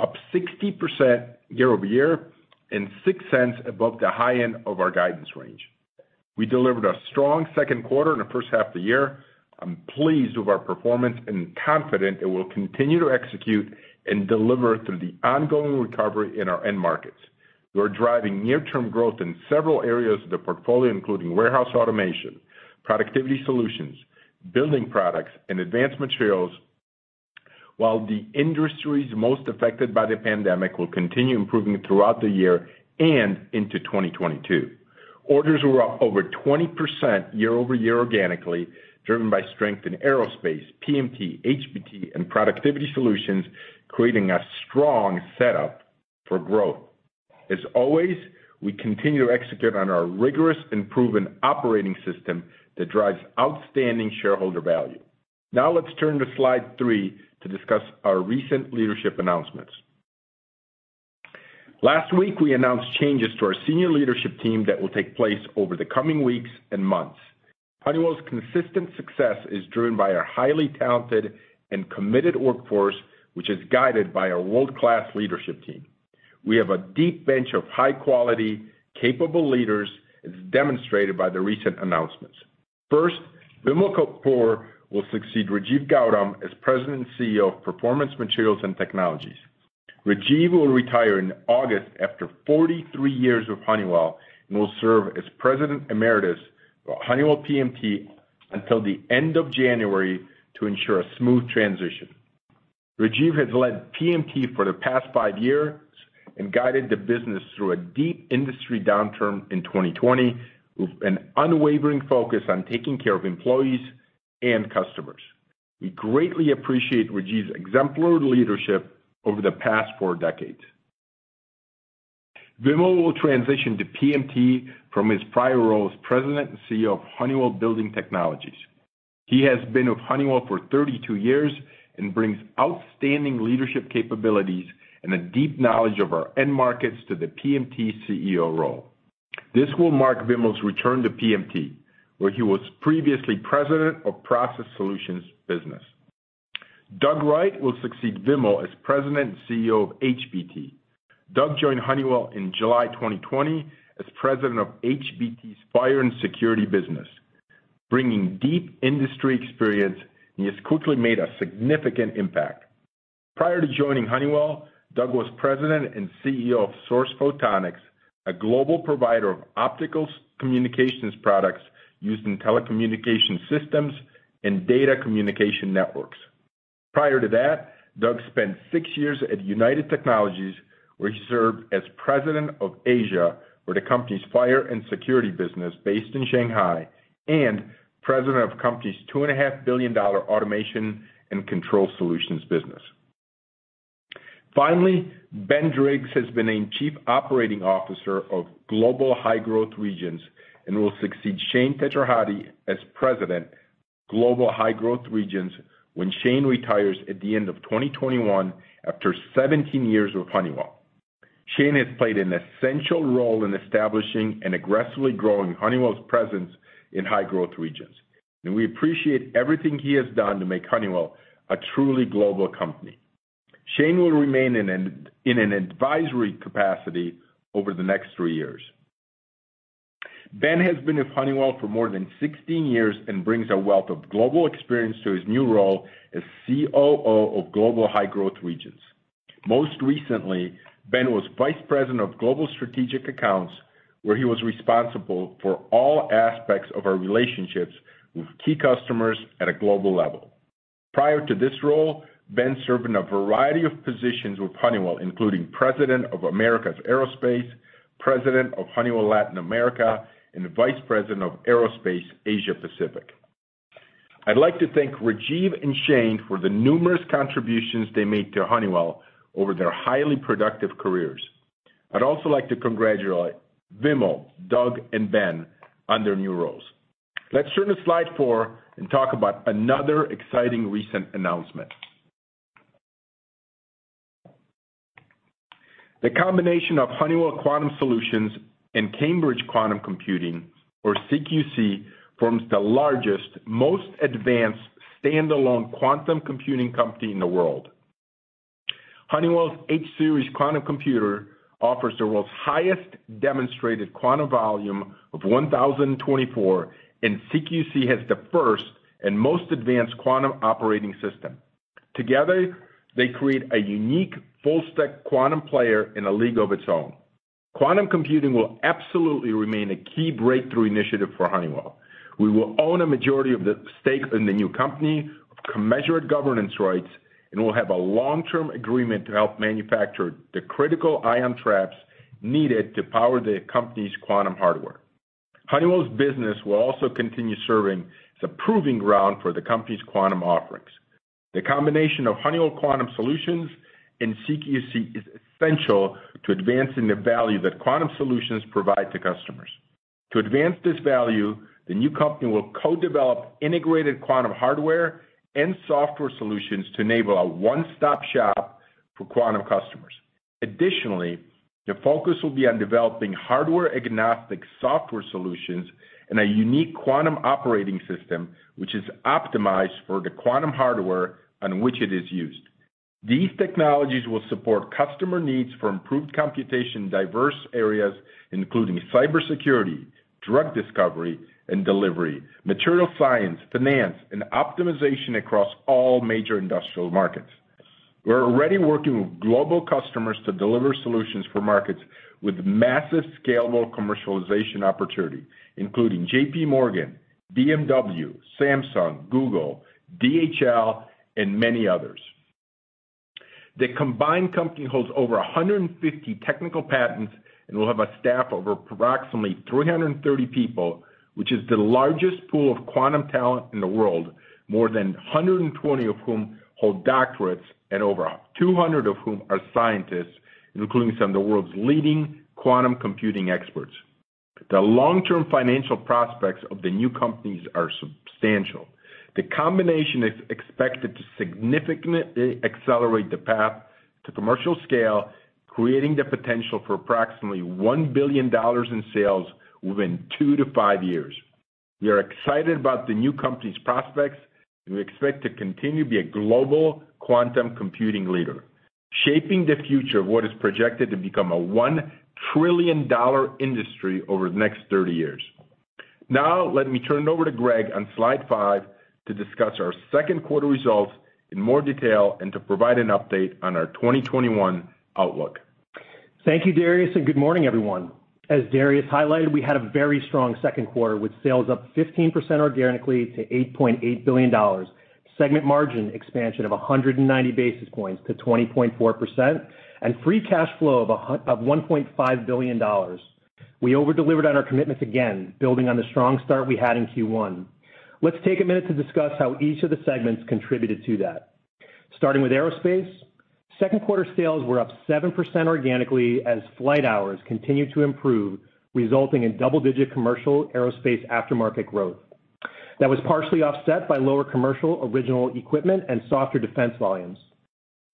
Up 60% year-over-year, $0.06 above the high end of our guidance range. We delivered a strong second quarter and a first half of the year. I'm pleased with our performance and confident it will continue to execute and deliver through the ongoing recovery in our end markets. We are driving near-term growth in several areas of the portfolio, including warehouse automation, Productivity Solutions, building products, and Advanced Materials. The industries most affected by the pandemic will continue improving throughout the year and into 2022. Orders were up over 20% year-over-year organically, driven by strength in Aerospace, PMT, HBT, and Productivity Solutions, creating a strong setup for growth. As always, we continue to execute on our rigorous and proven operating system that drives outstanding shareholder value. Now let's turn to slide three to discuss our recent leadership announcements. Last week, we announced changes to our senior leadership team that will take place over the coming weeks and months. Honeywell's consistent success is driven by a highly talented and committed workforce, which is guided by a world-class leadership team. We have a deep bench of high-quality, capable leaders, as demonstrated by the recent announcements. First, Vimal Kapur will succeed Rajeev Gautam as President and CEO of Performance Materials and Technologies. Rajeev will retire in August after 43 years with Honeywell and will serve as President Emeritus of Honeywell PMT until the end of January to ensure a smooth transition. Rajeev has led PMT for the past five years and guided the business through a deep industry downturn in 2020 with an unwavering focus on taking care of employees and customers. We greatly appreciate Rajeev's exemplary leadership over the past four decades. Vimal will transition to PMT from his prior role as President and CEO of Honeywell Building Technologies. He has been with Honeywell for 32 years and brings outstanding leadership capabilities and a deep knowledge of our end markets to the PMT CEO role. This will mark Vimal's return to PMT, where he was previously president of Process Solutions business. Doug Wright will succeed Vimal as President and CEO of HBT. Doug joined Honeywell in July 2020 as president of HBT's Fire and Security business, bringing deep industry experience, and he has quickly made a significant impact. Prior to joining Honeywell, Doug was President and CEO of Source Photonics, a global provider of optical communications products used in telecommunication systems and data communication networks. Prior to that, Doug spent six years at United Technologies, where he served as President of Asia for the company's fire and security business based in Shanghai, and President of the company's $2.5 billion automation and control solutions business. Ben Driggs has been named Chief Operating Officer of Global High Growth Regions and will succeed Shane Tedjarati as President, Global High Growth Regions when Shane retires at the end of 2021 after 17 years with Honeywell. Shane has played an essential role in establishing and aggressively growing Honeywell's presence in high-growth regions, and we appreciate everything he has done to make Honeywell a truly global company. Shane will remain in an advisory capacity over the next three years. Ben has been with Honeywell for more than 16 years and brings a wealth of global experience to his new role as COO of Global High Growth Regions. Most recently, Ben was Vice President of Global Strategic Accounts, where he was responsible for all aspects of our relationships with key customers at a global level. Prior to this role, Ben served in a variety of positions with Honeywell, including President of Americas Aerospace, President of Honeywell Latin America, and Vice President of Aerospace Asia Pacific. I'd like to thank Rajeev and Shane for the numerous contributions they made to Honeywell over their highly productive careers. I'd also like to congratulate Vimal, Doug, and Ben on their new roles. Let's turn to slide four and talk about another exciting recent announcement. The combination of Honeywell Quantum Solutions and Cambridge Quantum Computing, or CQC, forms the largest, most advanced standalone quantum computing company in the world. Honeywell's H-series quantum computer offers the world's highest demonstrated quantum volume of 1,024, and CQC has the first and most advanced quantum operating system. Together, they create a unique full-stack quantum player in a league of its own. Quantum computing will absolutely remain a key breakthrough initiative for Honeywell. We will own a majority of the stake in the new company, have commensurate governance rights, and will have a long-term agreement to help manufacture the critical ion traps needed to power the company's quantum hardware. Honeywell's business will also continue serving as a proving ground for the company's quantum offerings. The combination of Honeywell Quantum Solutions and CQC is essential to advancing the value that quantum solutions provide to customers. To advance this value, the new company will co-develop integrated quantum hardware and software solutions to enable a one-stop shop for quantum customers. Additionally, the focus will be on developing hardware-agnostic software solutions and a unique quantum operating system, which is optimized for the quantum hardware on which it is used. These technologies will support customer needs for improved computation in diverse areas, including cybersecurity, drug discovery and delivery, material science, finance, and optimization across all major industrial markets. We're already working with global customers to deliver solutions for markets with massive scalable commercialization opportunity, including JPMorgan, BMW, Samsung, Google, DHL, and many others. The combined company holds over 150 technical patents and will have a staff of approximately 330 people, which is the largest pool of quantum talent in the world, more than 120 of whom hold doctorates and over 200 of whom are scientists, including some of the world's leading quantum computing experts. The long-term financial prospects of the new companies are substantial. The combination is expected to significantly accelerate the path to commercial scale, creating the potential for approximately $1 billion in sales within two to five years. We are excited about the new company's prospects, and we expect to continue to be a global quantum computing leader, shaping the future of what is projected to become a $1 trillion industry over the next 30 years. Let me turn it over to Greg on slide five to discuss our second quarter results in more detail and to provide an update on our 2021 outlook. Thank you, Darius, and good morning, everyone. As Darius highlighted, we had a very strong second quarter with sales up 15% organically to $8.8 billion, segment margin expansion of 190 basis points to 20.4%, and free cash flow of $1.5 billion. We over-delivered on our commitments again, building on the strong start we had in Q1. Let's take a minute to discuss how each of the segments contributed to that. Starting with Aerospace, second quarter sales were up 7% organically as flight hours continued to improve, resulting in double-digit Commercial Aerospace aftermarket growth. That was partially offset by lower commercial original equipment and softer defense volumes.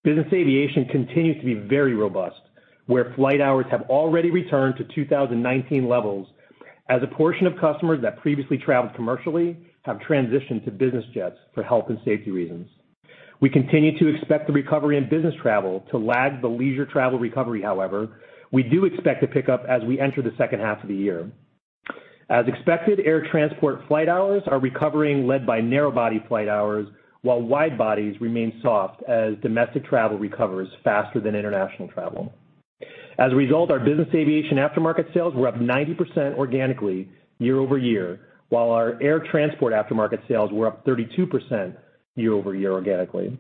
Business aviation continues to be very robust, where flight hours have already returned to 2019 levels as a portion of customers that previously traveled commercially have transitioned to business jets for health and safety reasons. We continue to expect the recovery in business travel to lag the leisure travel recovery, however. We do expect to pick up as we enter the second half of the year. As expected, air transport flight hours are recovering, led by narrow body flight hours, while wide bodies remain soft as domestic travel recovers faster than international travel. As a result, our business aviation aftermarket sales were up 90% organically year-over-year, while our air transport aftermarket sales were up 32% year-over-year organically.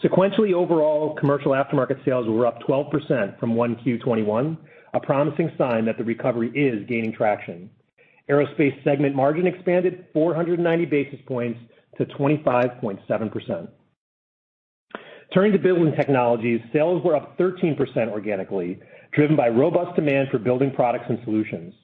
Sequentially overall, commercial aftermarket sales were up 12% from Q1 2021, a promising sign that the recovery is gaining traction. Aerospace segment margin expanded 490 basis points to 25.7%. Turning to Building Technologies, sales were up 13% organically, driven by robust demand for building products and solutions.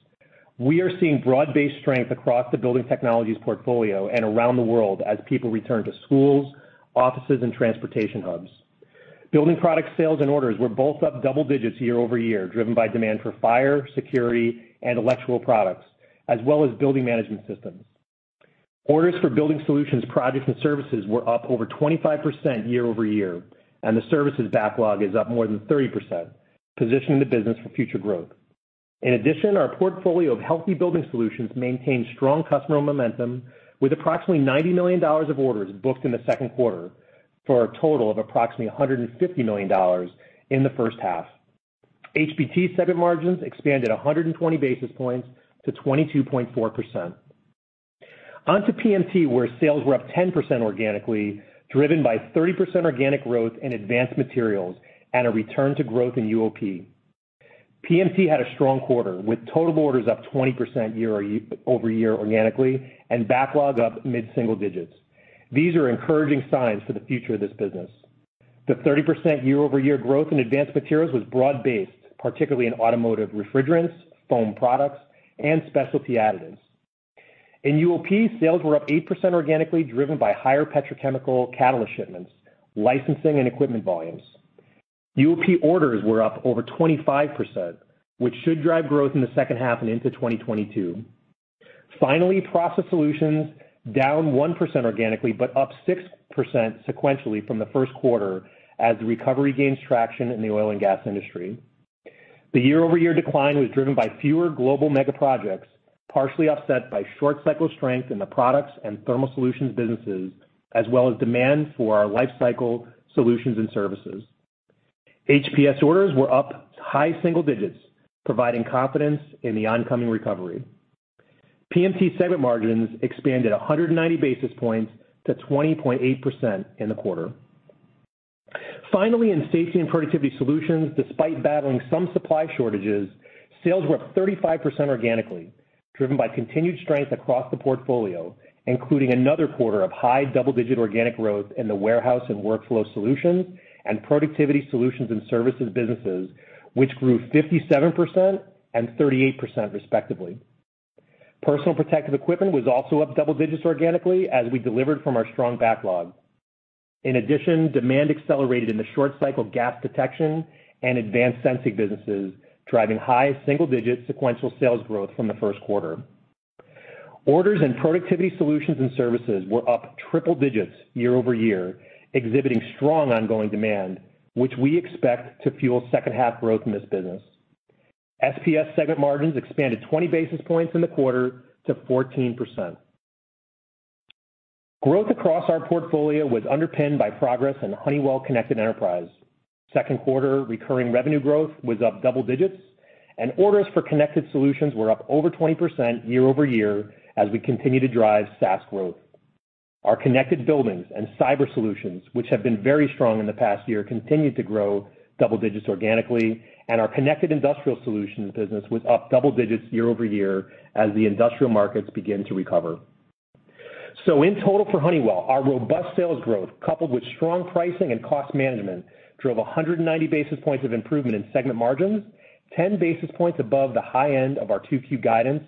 We are seeing broad-based strength across the Building Technologies portfolio and around the world as people return to schools, offices, and transportation hubs. Building product sales and orders were both up double digits year-over-year, driven by demand for fire, security, and electrical products, as well as building management systems. Orders for building solutions projects and services were up over 25% year-over-year, and the services backlog is up more than 30%, positioning the business for future growth. In addition, our portfolio of healthy building solutions maintained strong customer momentum with approximately $90 million of orders booked in the second quarter for a total of approximately $150 million in the first half. HBT segment margins expanded 120 basis points to 22.4%. On to PMT, where sales were up 10% organically, driven by 30% organic growth in advanced materials and a return to growth in UOP. PMT had a strong quarter, with total orders up 20% year-over-year organically and backlog up mid-single digits. These are encouraging signs for the future of this business. The 30% year-over-year growth in Advanced Materials was broad-based, particularly in automotive refrigerants, foam products, and specialty additives. In UOP, sales were up 8% organically, driven by higher petrochemical catalyst shipments, licensing, and equipment volumes. UOP orders were up over 25%, which should drive growth in the second half and into 2022. Finally, Process Solutions down 1% organically, but up 6% sequentially from the first quarter as the recovery gains traction in the oil and gas industry. The year-over-year decline was driven by fewer global mega projects, partially offset by short cycle strength in the products and thermal solutions businesses, as well as demand for our lifecycle solutions and services. HPS orders were up high single digits, providing confidence in the oncoming recovery. PMT segment margins expanded 190 basis points to 20.8% in the quarter. Finally, in Safety and Productivity Solutions, despite battling some supply shortages, sales were up 35% organically, driven by continued strength across the portfolio, including another quarter of high double-digit organic growth in the warehouse and workflow solutions, and productivity solutions and services businesses, which grew 57% and 38% respectively. Personal protective equipment was also up double digits organically as we delivered from our strong backlog. In addition, demand accelerated in the short cycle gas detection and advanced sensing businesses, driving high single digit sequential sales growth from the first quarter. Orders and productivity solutions and services were up triple digits year-over-year, exhibiting strong ongoing demand, which we expect to fuel second half growth in this business. SPS segment margins expanded 20 basis points in the quarter to 14%. Growth across our portfolio was underpinned by progress in Honeywell Connected Enterprise. Second quarter recurring revenue growth was up double digits, and orders for connected solutions were up over 20% year-over-year as we continue to drive SaaS growth. Our connected buildings and cyber solutions, which have been very strong in the past year, continued to grow double digits organically, and our connected industrial solutions business was up double digits year-over-year as the industrial markets begin to recover. In total for Honeywell, our robust sales growth, coupled with strong pricing and cost management, drove 190 basis points of improvement in segment margins, 10 basis points above the high end of our Q2 guidance,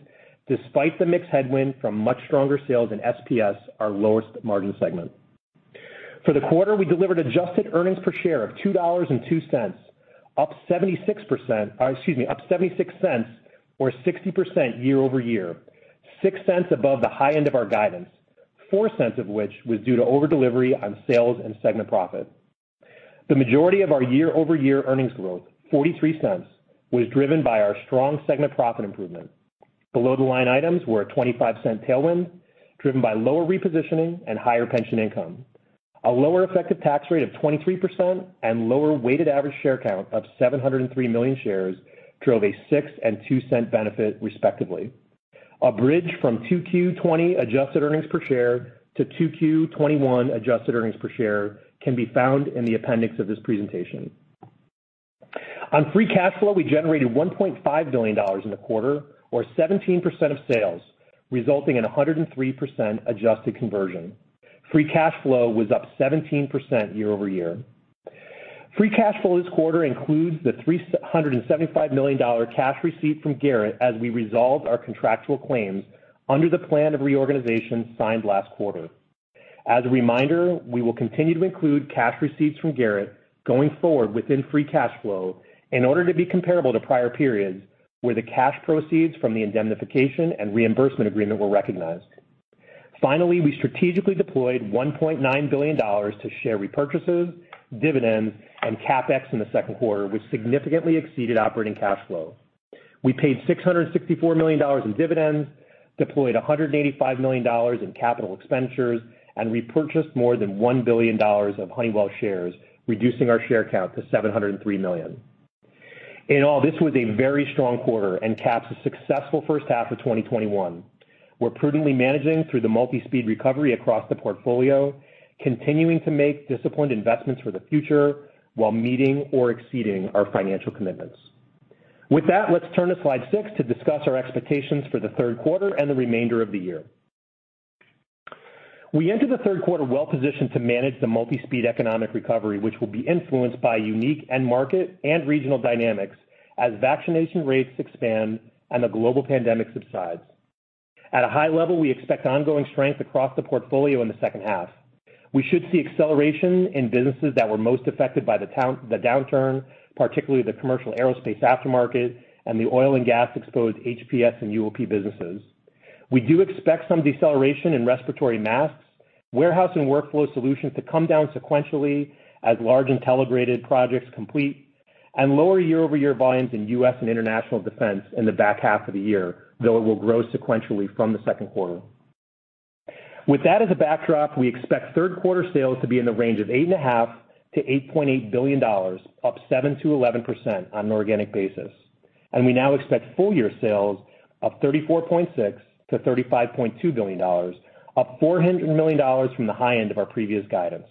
despite the mix headwind from much stronger sales in SPS, our lowest margin segment. For the quarter, we delivered adjusted earnings per share of $2.02, up $0.76 or 60% year-over-year, $0.06 above the high end of our guidance, $0.04 of which was due to over delivery on sales and segment profit. The majority of our year-over-year earnings growth, $0.43, was driven by our strong segment profit improvement. Below the line items were a $0.25 tailwind, driven by lower repositioning and higher pension income. A lower effective tax rate of 23% and lower weighted average share count of 703 million shares drove a $0.06 and $0.02 benefit respectively. A bridge from Q2 2020 adjusted earnings per share to Q2 2021 adjusted earnings per share can be found in the appendix of this presentation. On free cash flow, we generated $1.5 billion in the quarter, or 17% of sales, resulting in 103% adjusted conversion. Free cash flow was up 17% year-over-year. Free cash flow this quarter includes the $375 million cash received from Garrett as we resolved our contractual claims under the plan of reorganization signed last quarter. As a reminder, we will continue to include cash receipts from Garrett going forward within free cash flow in order to be comparable to prior periods where the cash proceeds from the indemnification and reimbursement agreement were recognized. Finally, we strategically deployed $1.9 billion to share repurchases, dividends, and CapEx in the second quarter, which significantly exceeded operating cash flow. We paid $664 million in dividends, deployed $185 million in capital expenditures, and repurchased more than $1 billion of Honeywell shares, reducing our share count to 703 million. In all, this was a very strong quarter and caps a successful first half of 2021. We're prudently managing through the multi-speed recovery across the portfolio, continuing to make disciplined investments for the future while meeting or exceeding our financial commitments. With that, let's turn to slide six to discuss our expectations for the third quarter and the remainder of the year. We enter the third quarter well-positioned to manage the multi-speed economic recovery, which will be influenced by unique end market and regional dynamics as vaccination rates expand and the global pandemic subsides. At a high level, we expect ongoing strength across the portfolio in the second half. We should see acceleration in businesses that were most affected by the downturn, particularly the commercial aerospace aftermarket and the oil and gas exposed HPS and UOP businesses. We do expect some deceleration in respiratory masks, warehouse and workflow solutions to come down sequentially as large Intelligrated projects complete, and lower year-over-year volumes in U.S. and international defense in the back half of the year, though it will grow sequentially from the second quarter. With that as a backdrop, we expect third quarter sales to be in the range of $8.5 billion-$8.8 billion, up 7%-11% on an organic basis. We now expect full year sales of $34.6 billion-$35.2 billion, up $400 million from the high end of our previous guidance.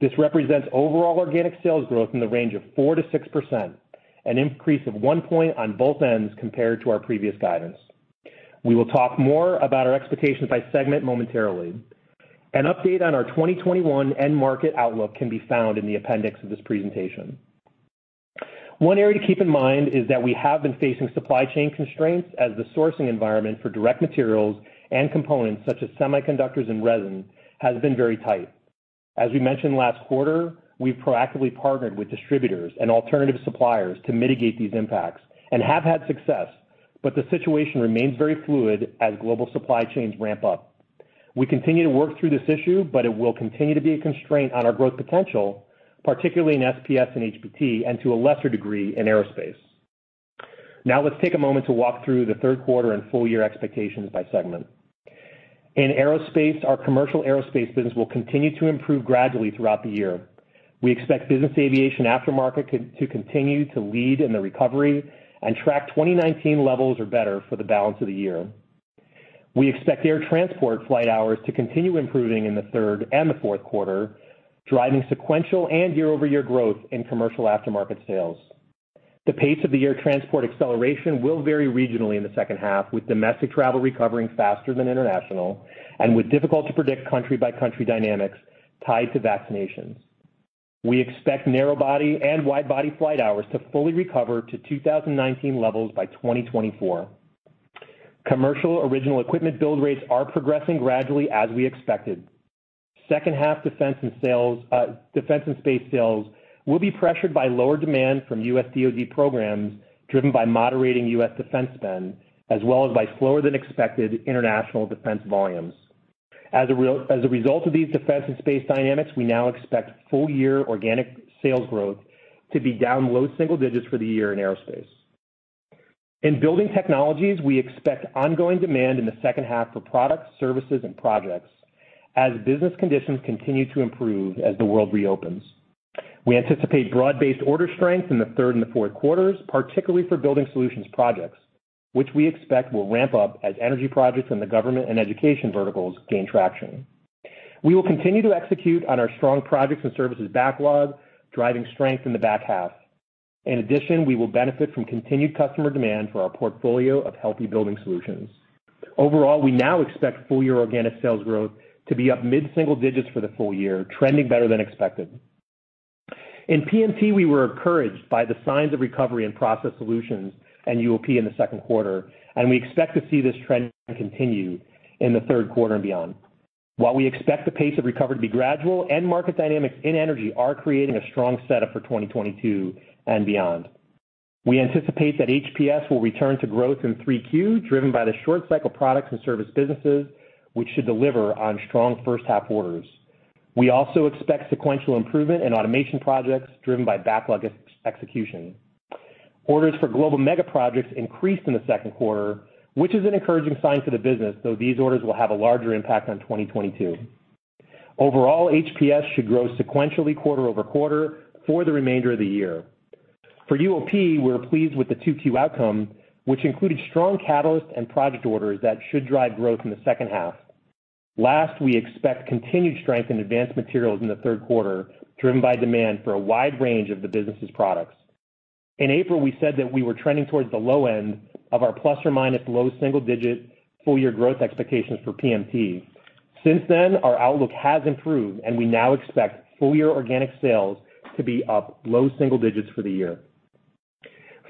This represents overall organic sales growth in the range of 4%-6%, an increase of 1 point on both ends compared to our previous guidance. We will talk more about our expectations by segment momentarily. An update on our 2021 end market outlook can be found in the appendix of this presentation. One area to keep in mind is that we have been facing supply chain constraints as the sourcing environment for direct materials and components such as semiconductors and resin has been very tight. As we mentioned last quarter, we've proactively partnered with distributors and alternative suppliers to mitigate these impacts and have had success. The situation remains very fluid as global supply chains ramp up. It will continue to be a constraint on our growth potential, particularly in SPS and HBT, and to a lesser degree in Aerospace. Let's take a moment to walk through the third quarter and full year expectations by segment. In Aerospace, our commercial aerospace business will continue to improve gradually throughout the year. We expect business aviation aftermarket to continue to lead in the recovery and track 2019 levels or better for the balance of the year. We expect air transport flight hours to continue improving in the third and the fourth quarter, driving sequential and year-over-year growth in commercial aftermarket sales. The pace of the air transport acceleration will vary regionally in the second half, with domestic travel recovering faster than international and with difficult to predict country by country dynamics tied to vaccinations. We expect narrow body and wide body flight hours to fully recover to 2019 levels by 2024. Commercial original equipment build rates are progressing gradually as we expected. second half defense and space sales will be pressured by lower demand from U.S. DOD programs, driven by moderating U.S. defense spend, as well as by slower than expected international defense volumes. As a result of these defense and space dynamics, we now expect full year organic sales growth to be down low single digits for the year in Aerospace. In Building Technologies, we expect ongoing demand in the second half for products, services, and projects as business conditions continue to improve as the world reopens. We anticipate broad-based order strength in the third and the fourth quarters, particularly for building solutions projects, which we expect will ramp up as energy projects in the government and education verticals gain traction. We will continue to execute on our strong projects and services backlog, driving strength in the back half. In addition, we will benefit from continued customer demand for our portfolio of healthy building solutions. Overall, we now expect full year organic sales growth to be up mid-single digits for the full year, trending better than expected. In PMT, we were encouraged by the signs of recovery and Process Solutions and UOP in the second quarter. We expect to see this trend continue in the third quarter and beyond. While we expect the pace of recovery to be gradual and market dynamics in energy are creating a strong setup for 2022 and beyond, we anticipate that HPS will return to growth in Q3, driven by the short cycle products and service businesses, which should deliver on strong first half orders. We also expect sequential improvement in automation projects driven by backlog execution. Orders for global mega projects increased in the second quarter, which is an encouraging sign for the business, though these orders will have a larger impact on 2022. Overall, HPS should grow sequentially quarter-over-quarter for the remainder of the year. For UOP, we're pleased with the Q2 outcome, which included strong catalyst and project orders that should drive growth in the second half. Last, we expect continued strength in advanced materials in the third quarter, driven by demand for a wide range of the business's products. In April, we said that we were trending towards the low end of our ± low single-digit full year growth expectations for PMT. Since then, our outlook has improved, and we now expect full year organic sales to be up low single digits for the year.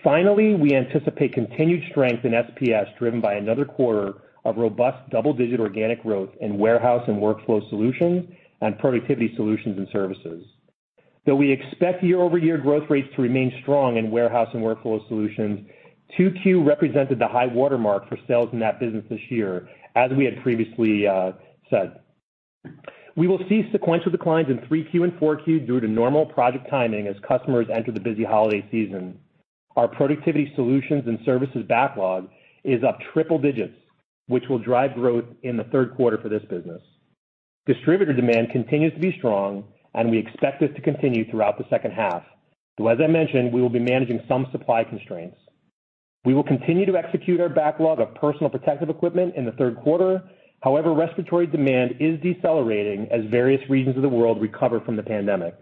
Finally, we anticipate continued strength in SPS, driven by another quarter of robust double-digit organic growth in warehouse and workflow solutions and productivity solutions and services. Though we expect year-over-year growth rates to remain strong in warehouse and workflow solutions, Q2 represented the high watermark for sales in that business this year, as we had previously said. We will see sequential declines in Q3 and Q4 due to normal project timing as customers enter the busy holiday season. Our productivity solutions and services backlog is up triple digits, which will drive growth in the third quarter for this business. Distributor demand continues to be strong, and we expect this to continue throughout the second half, though as I mentioned, we will be managing some supply constraints. We will continue to execute our backlog of personal protective equipment in the third quarter. However, respiratory demand is decelerating as various regions of the world recover from the pandemic.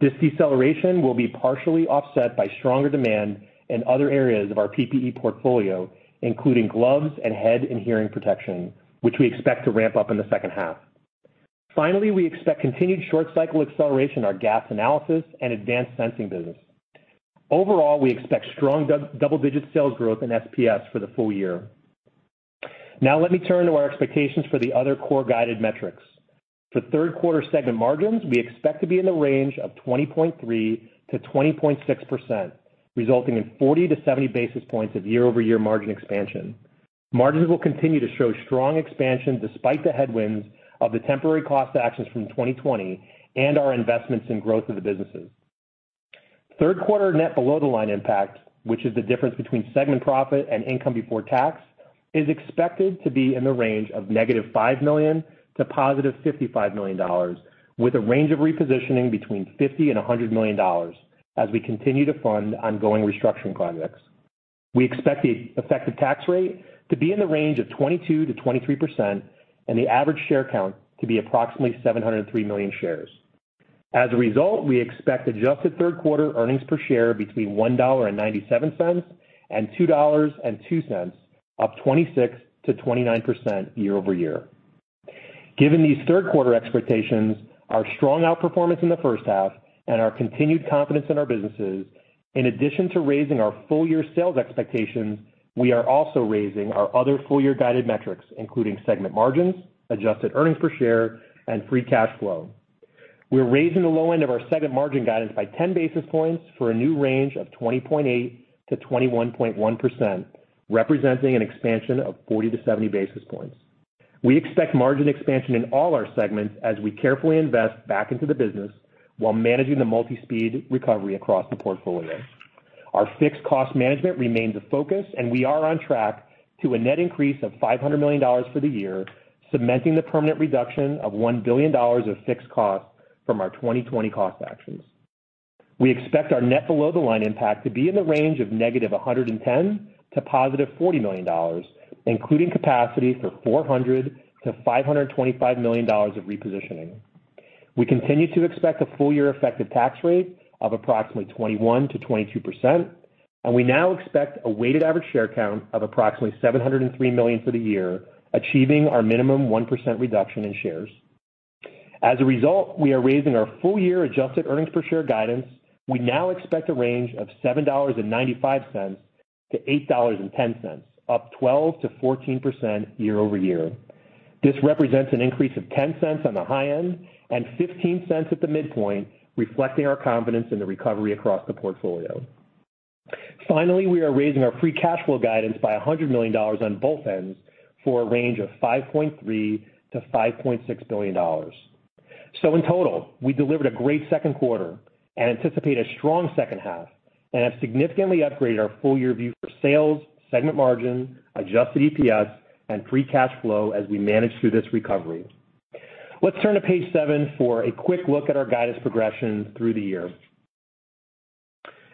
This deceleration will be partially offset by stronger demand in other areas of our PPE portfolio, including gloves and head and hearing protection, which we expect to ramp up in the second half. Finally, we expect continued short cycle acceleration in our gas analysis and advanced sensing business. Overall, we expect strong double-digit sales growth in SPS for the full year. Now let me turn to our expectations for the other core guided metrics. For third quarter segment margins, we expect to be in the range of 20.3%-20.6%, resulting in 40 to 70 basis points of year-over-year margin expansion. Margins will continue to show strong expansion despite the headwinds of the temporary cost actions from 2020 and our investments in growth of the businesses. Third quarter net below the line impact, which is the difference between segment profit and income before tax, is expected to be in the range of -$5 million to +$55 million, with a range of repositioning between $50 million and $100 million as we continue to fund ongoing restructuring projects. We expect the effective tax rate to be in the range of 22%-23% and the average share count to be approximately 703 million shares. As a result, we expect adjusted third quarter earnings per share between $1.97 and $2.02, up 26%-29% year-over-year. Given these third quarter expectations, our strong outperformance in the first half, and our continued confidence in our businesses, in addition to raising our full year sales expectations, we are also raising our other full year guided metrics, including segment margins, adjusted earnings per share, and free cash flow. We're raising the low end of our segment margin guidance by 10 basis points for a new range of 20.8%-21.1%, representing an expansion of 40-70 basis points. We expect margin expansion in all our segments as we carefully invest back into the business while managing the multi-speed recovery across the portfolio. Our fixed cost management remains a focus, and we are on track to a net increase of $500 million for the year, cementing the permanent reduction of $1 billion of fixed costs from our 2020 cost actions. We expect our net below the line impact to be in the range of -$110 million to +$40 million, including capacity for $400 million-$525 million of repositioning. We continue to expect a full-year effective tax rate of approximately 21%-22%. We now expect a weighted average share count of approximately 703 million for the year, achieving our minimum 1% reduction in shares. As a result, we are raising our full-year adjusted earnings per share guidance. We now expect a range of $7.95-$8.10, up 12%-14% year-over-year. This represents an increase of $0.10 on the high end and $0.15 at the midpoint, reflecting our confidence in the recovery across the portfolio. Finally, we are raising our free cash flow guidance by $100 million on both ends for a range of $5.3 billion-$5.6 billion. In total, we delivered a great second quarter and anticipate a strong second half and have significantly upgraded our full-year view for sales, segment margin, adjusted EPS, and free cash flow as we manage through this recovery. Let's turn to page seven for a quick look at our guidance progression through the year.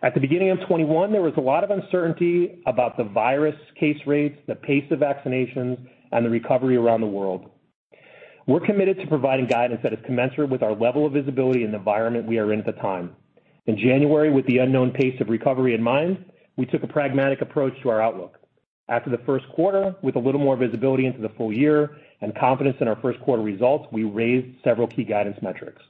At the beginning of 2021, there was a lot of uncertainty about the virus case rates, the pace of vaccinations, and the recovery around the world. We're committed to providing guidance that is commensurate with our level of visibility and the environment we are in at the time. In January, with the unknown pace of recovery in mind, we took a pragmatic approach to our outlook. After the first quarter, with a little more visibility into the full-year and confidence in our first quarter results, we raised several key guidance metrics.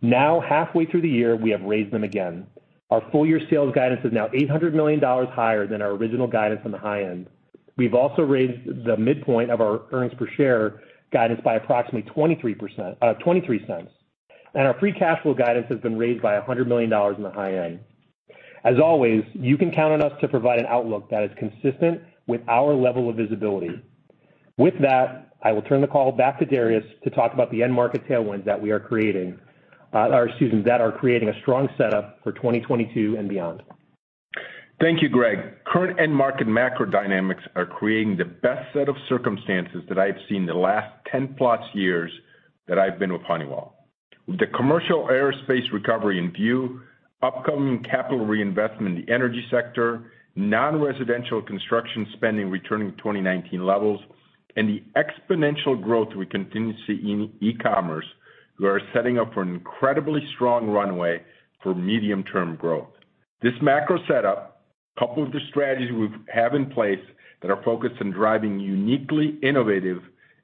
Now, halfway through the year, we have raised them again. Our full-year sales guidance is now $800 million higher than our original guidance on the high end. We've also raised the midpoint of our earnings per share guidance by approximately $0.23, and our free cash flow guidance has been raised by $100 million on the high end. As always, you can count on us to provide an outlook that is consistent with our level of visibility. With that, I will turn the call back to Darius to talk about the end market tailwinds that are creating a strong setup for 2022 and beyond. Thank you, Greg. Current end market macro dynamics are creating the best set of circumstances that I have seen in the last 10-plus years that I've been with Honeywell. With the commercial aerospace recovery in view, upcoming capital reinvestment in the energy sector, non-residential construction spending returning to 2019 levels, and the exponential growth we continue to see in e-commerce, we are setting up for an incredibly strong runway for medium-term growth. This macro setup, coupled with the strategies we have in place that are focused on driving uniquely innovative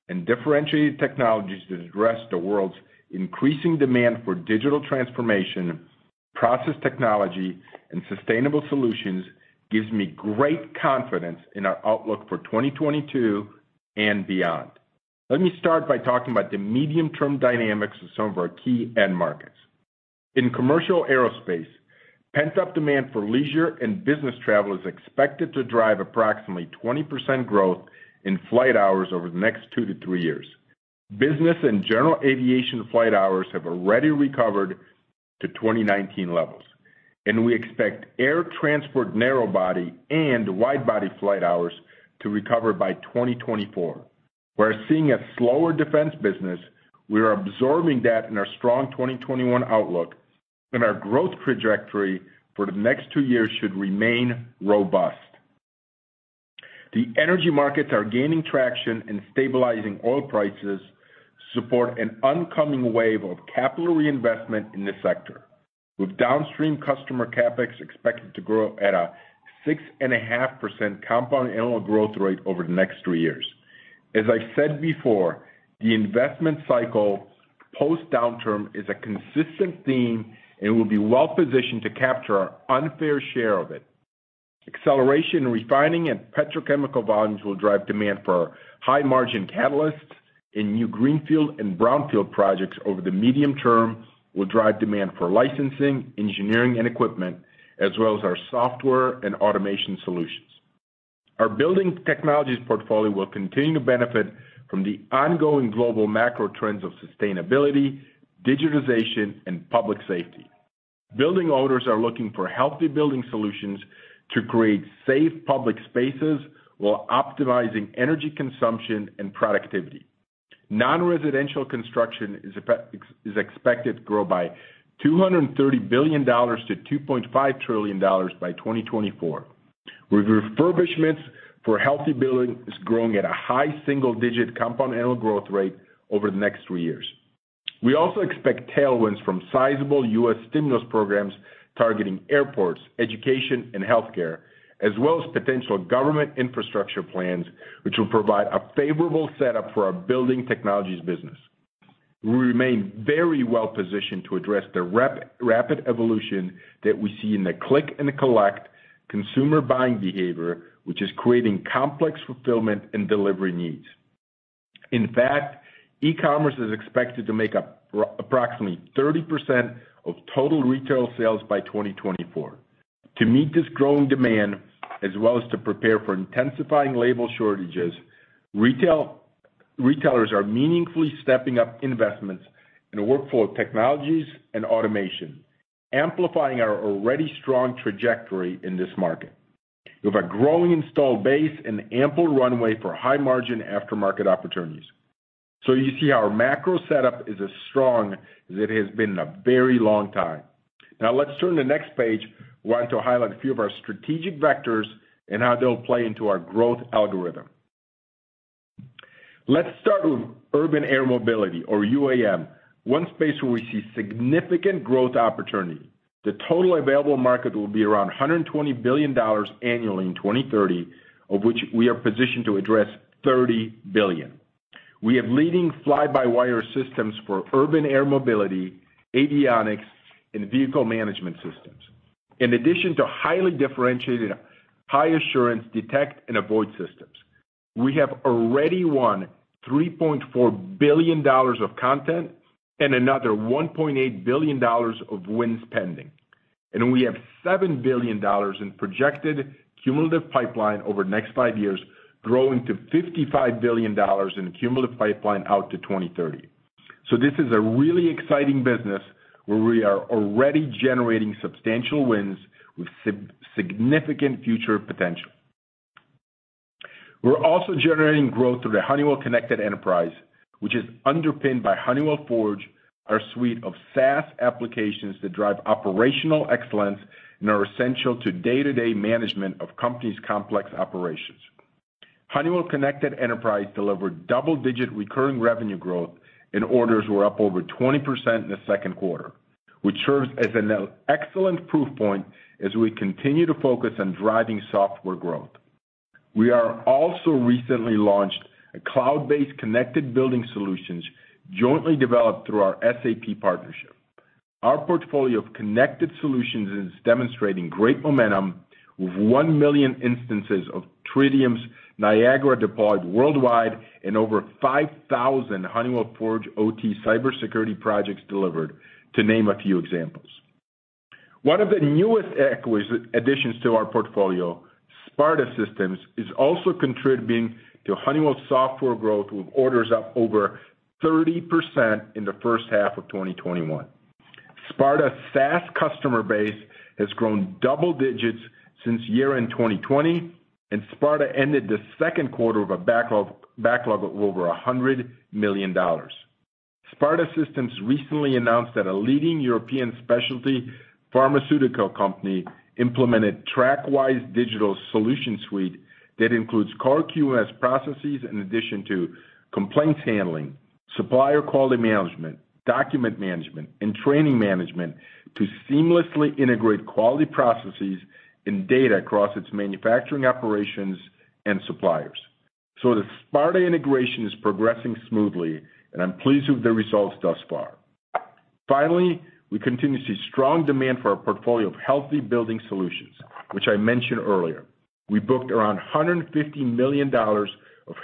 and differentiated technologies to address the world's increasing demand for digital transformation, process technology, and sustainable solutions gives me great confidence in our outlook for 2022 and beyond. Let me start by talking about the medium-term dynamics of some of our key end markets. In commercial aerospace, pent-up demand for leisure and business travel is expected to drive approximately 20% growth in flight hours over the next two to three years. Business and general aviation flight hours have already recovered to 2019 levels. We expect air transport narrow body and wide body flight hours to recover by 2024. We're seeing a slower defense business. We are absorbing that in our strong 2021 outlook. Our growth trajectory for the next two years should remain robust. The energy markets are gaining traction. Stabilizing oil prices support an oncoming wave of capital reinvestment in this sector, with downstream customer CapEx expected to grow at a 6.5% compound annual growth rate over the next three years. As I said before, the investment cycle post-downturn is a consistent theme. We'll be well-positioned to capture our unfair share of it. Acceleration in refining and petrochemical volumes will drive demand for high-margin catalysts, and new greenfield and brownfield projects over the medium term will drive demand for licensing, engineering, and equipment, as well as our software and automation solutions. Our Building Technologies portfolio will continue to benefit from the ongoing global macro trends of sustainability, digitization, and public safety. Building owners are looking for healthy building solutions to create safe public spaces while optimizing energy consumption and productivity. Non-residential construction is expected to grow by $230 billion to $2.5 trillion by 2024, with refurbishments for healthy buildings growing at a high single-digit compound annual growth rate over the next three years. We also expect tailwinds from sizable U.S. stimulus programs targeting airports, education, and healthcare, as well as potential government infrastructure plans, which will provide a favorable setup for our Building Technologies business. We remain very well-positioned to address the rapid evolution that we see in the click-and-collect consumer buying behavior, which is creating complex fulfillment and delivery needs. In fact, e-commerce is expected to make up approximately 30% of total retail sales by 2024. To meet this growing demand, as well as to prepare for intensifying labor shortages, retailers are meaningfully stepping up investments in workflow technologies and automation, amplifying our already strong trajectory in this market. We have a growing installed base and ample runway for high-margin aftermarket opportunities. You see our macro setup is as strong as it has been in a very long time. Now let's turn to the next page. We want to highlight a few of our strategic vectors and how they'll play into our growth algorithm. Let's start with Urban Air Mobility, or UAM, one space where we see significant growth opportunity. The total available market will be around $120 billion annually in 2030, of which we are positioned to address $30 billion. We have leading fly-by-wire systems for urban air mobility, avionics, and vehicle management systems. In addition to highly differentiated high-assurance detect-and-avoid systems, we have already won $3.4 billion of content and another $1.8 billion of wins pending. We have $7 billion in projected cumulative pipeline over the next five years, growing to $55 billion in cumulative pipeline out to 2030. This is a really exciting business where we are already generating substantial wins with significant future potential. We're also generating growth through the Honeywell Connected Enterprise, which is underpinned by Honeywell Forge, our suite of SaaS applications that drive operational excellence and are essential to day-to-day management of companies' complex operations. Honeywell Connected Enterprise delivered double-digit recurring revenue growth, and orders were up over 20% in the second quarter, which serves as an excellent proof point as we continue to focus on driving software growth. We also recently launched a cloud-based connected building solutions jointly developed through our SAP partnership. Our portfolio of connected solutions is demonstrating great momentum, with 1 million instances of Tridium's Niagara deployed worldwide and over 5,000 Honeywell Forge OT cybersecurity projects delivered, to name a few examples. One of the newest additions to our portfolio, Sparta Systems, is also contributing to Honeywell's software growth, with orders up over 30% in the first half of 2021. Sparta's SaaS customer base has grown double digits since year-end 2020, and Sparta ended the second quarter with a backlog of over $100 million. Sparta Systems recently announced that a leading European specialty pharmaceutical company implemented TrackWise digital solution suite that includes core QMS processes in addition to complaints handling, supplier quality management, document management, and training management to seamlessly integrate quality processes and data across its manufacturing operations and suppliers. The Sparta integration is progressing smoothly, and I'm pleased with the results thus far. Finally, we continue to see strong demand for our portfolio of healthy building solutions, which I mentioned earlier. We booked around $150 million of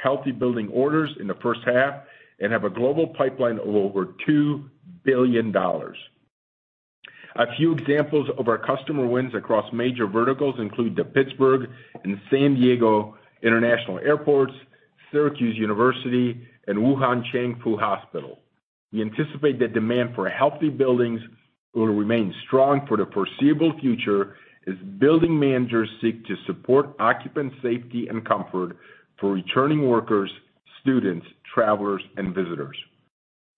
healthy building orders in the first half and have a global pipeline of over $2 billion. A few examples of our customer wins across major verticals include the Pittsburgh and San Diego International Airports, Syracuse University, and Wuhan Changfu Hospital. We anticipate that demand for healthy buildings will remain strong for the foreseeable future as building managers seek to support occupant safety and comfort for returning workers, students, travelers, and visitors.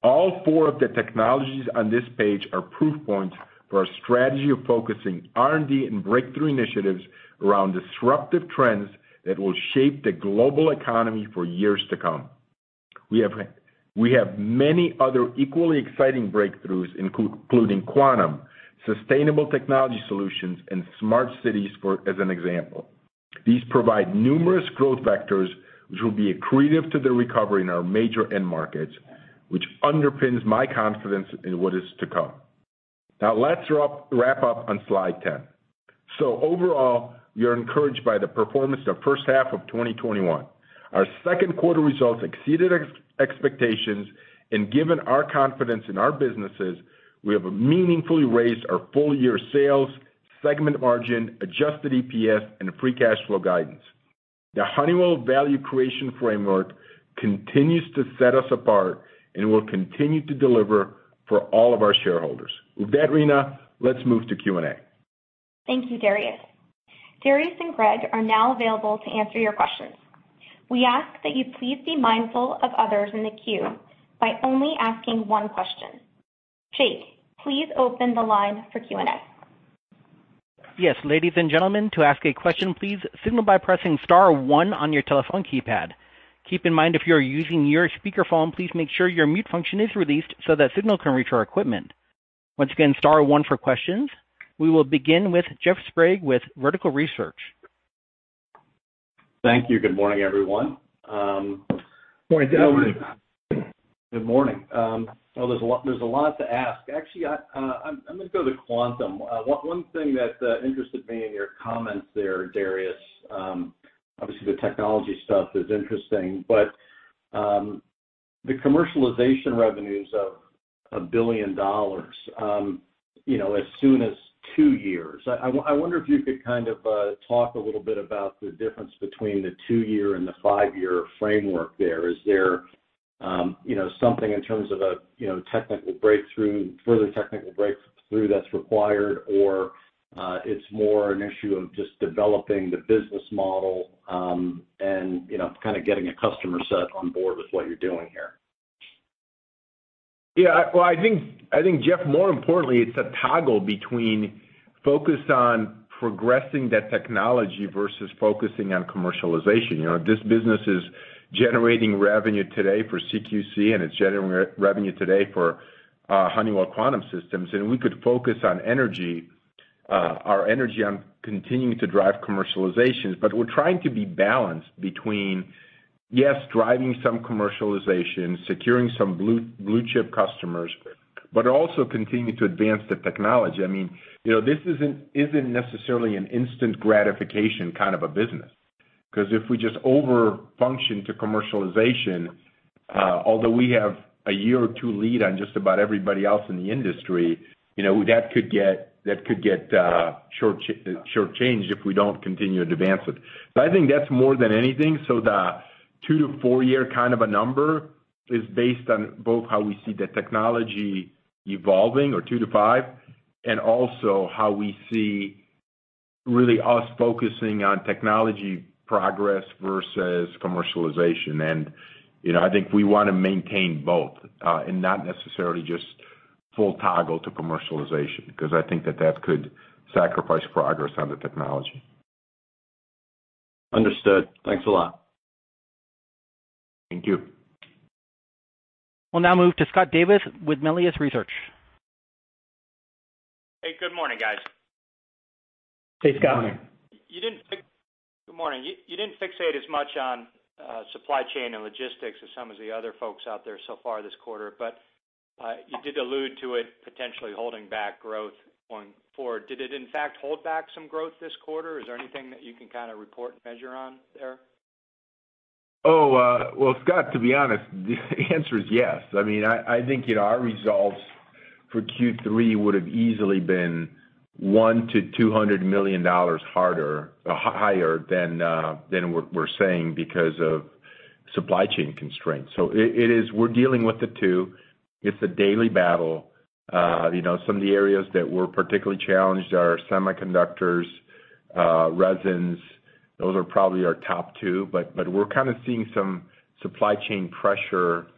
All four of the technologies on this page are proof points for our strategy of focusing R&D and breakthrough initiatives around disruptive trends that will shape the global economy for years to come. We have many other equally exciting breakthroughs, including quantum, sustainable technology solutions, and smart cities as an example. These provide numerous growth vectors which will be accretive to the recovery in our major end markets, which underpins my confidence in what is to come. Let's wrap up on slide 10. Overall, we are encouraged by the performance of the first half of 2021. Our second quarter results exceeded expectations, and given our confidence in our businesses, we have meaningfully raised our full-year sales, segment margin, adjusted EPS, and free cash flow guidance. The Honeywell value creation framework continues to set us apart and will continue to deliver for all of our shareholders. With that, Reena, let's move to Q&A. Thank you, Darius. Darius and Greg are now available to answer your questions. We ask that you please be mindful of others in the queue by only asking one question. Jake, please open the line for Q&A. Yes. Ladies and gentlemen, to ask a question, please signal by pressing star one on your telephone keypad. Keep in mind, if you are using your speakerphone, please make sure your mute function is released so that signal can reach our equipment. Once again, star one for questions. We will begin with Jeff Sprague with Vertical Research. Thank you. Good morning, everyone. Good morning. Good morning. Well, there's a lot to ask. Actually, I'm going to go to quantum. One thing that interested me in your comments there, Darius, obviously the technology stuff is interesting, but the commercialization revenues of $1 billion as soon as two years, I wonder if you could kind of talk a little bit about the difference between the two-year and the five-year framework there. Is there something in terms of a technical breakthrough, further technical breakthrough that's required, or it's more an issue of just developing the business model, and kind of getting a customer set on board with what you're doing here? Yeah. Well, I think, Jeff, more importantly, it's a toggle between focus on progressing that technology versus focusing on commercialization. This business is generating revenue today for CQC, and it's generating revenue today for Honeywell Quantum Solutions, and we could focus our energy on continuing to drive commercializations. We're trying to be balanced between, yes, driving some commercialization, securing some blue-chip customers, but also continuing to advance the technology. This isn't necessarily an instant gratification kind of a business, because if we just over-function to commercialization, although we have a year or two lead on just about everybody else in the industry, that could get short-changed if we don't continue to advance it. I think that's more than anything. The two to four year kind of a number is based on both how we see the technology evolving, or two to five, and also how we see really us focusing on technology progress versus commercialization. I think we want to maintain both, and not necessarily just full toggle to commercialization, because I think that that could sacrifice progress on the technology. Understood. Thanks a lot. Thank you. We'll now move to Scott Davis with Melius Research. Hey, good morning, guys. Hey, Scott. Morning. Good morning. You didn't fixate as much on supply chain and logistics as some of the other folks out there so far this quarter, but you did allude to it potentially holding back growth going forward. Did it in fact hold back some growth this quarter? Is there anything that you can kind of report and measure on there? Oh, well, Scott, to be honest, the answer is yes. I think our results for Q3 would've easily been $100 million-$200 million higher than we're saying because of supply chain constraints. We're dealing with the two. It's a daily battle. Some of the areas that we're particularly challenged are semiconductors, resins. Those are probably our top two. We're kind of seeing some supply chain pressure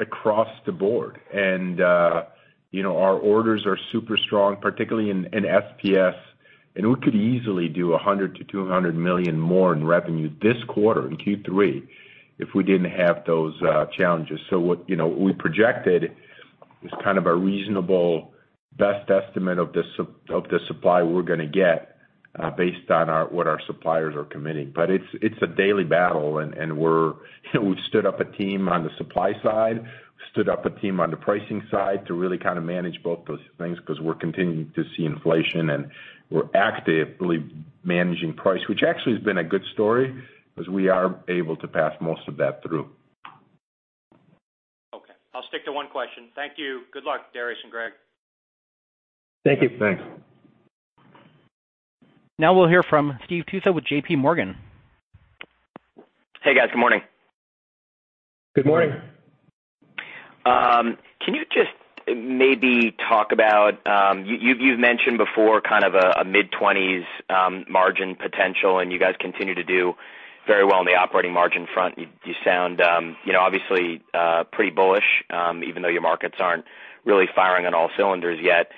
across the board. Our orders are super strong, particularly in SPS, and we could easily do $100 million-$200 million more in revenue this quarter, in Q3, if we didn't have those challenges. What we projected was kind of a reasonable best estimate of the supply we're going to get based on what our suppliers are committing. It's a daily battle, and we've stood up a team on the supply side, stood up a team on the pricing side to really kind of manage both those things because we're continuing to see inflation, and we're actively managing price, which actually has been a good story because we are able to pass most of that through. Okay. I'll stick to one question. Thank you. Good luck, Darius and Greg. Thank you. Thanks. Now we'll hear from Steve Tusa with JPMorgan. Hey, guys. Good morning. Good morning. Can you just maybe talk about, you've mentioned before kind of a mid-20s margin potential, and you guys continue to do very well in the operating margin front. You sound obviously pretty bullish, even though your markets aren't really firing on all cylinders yet.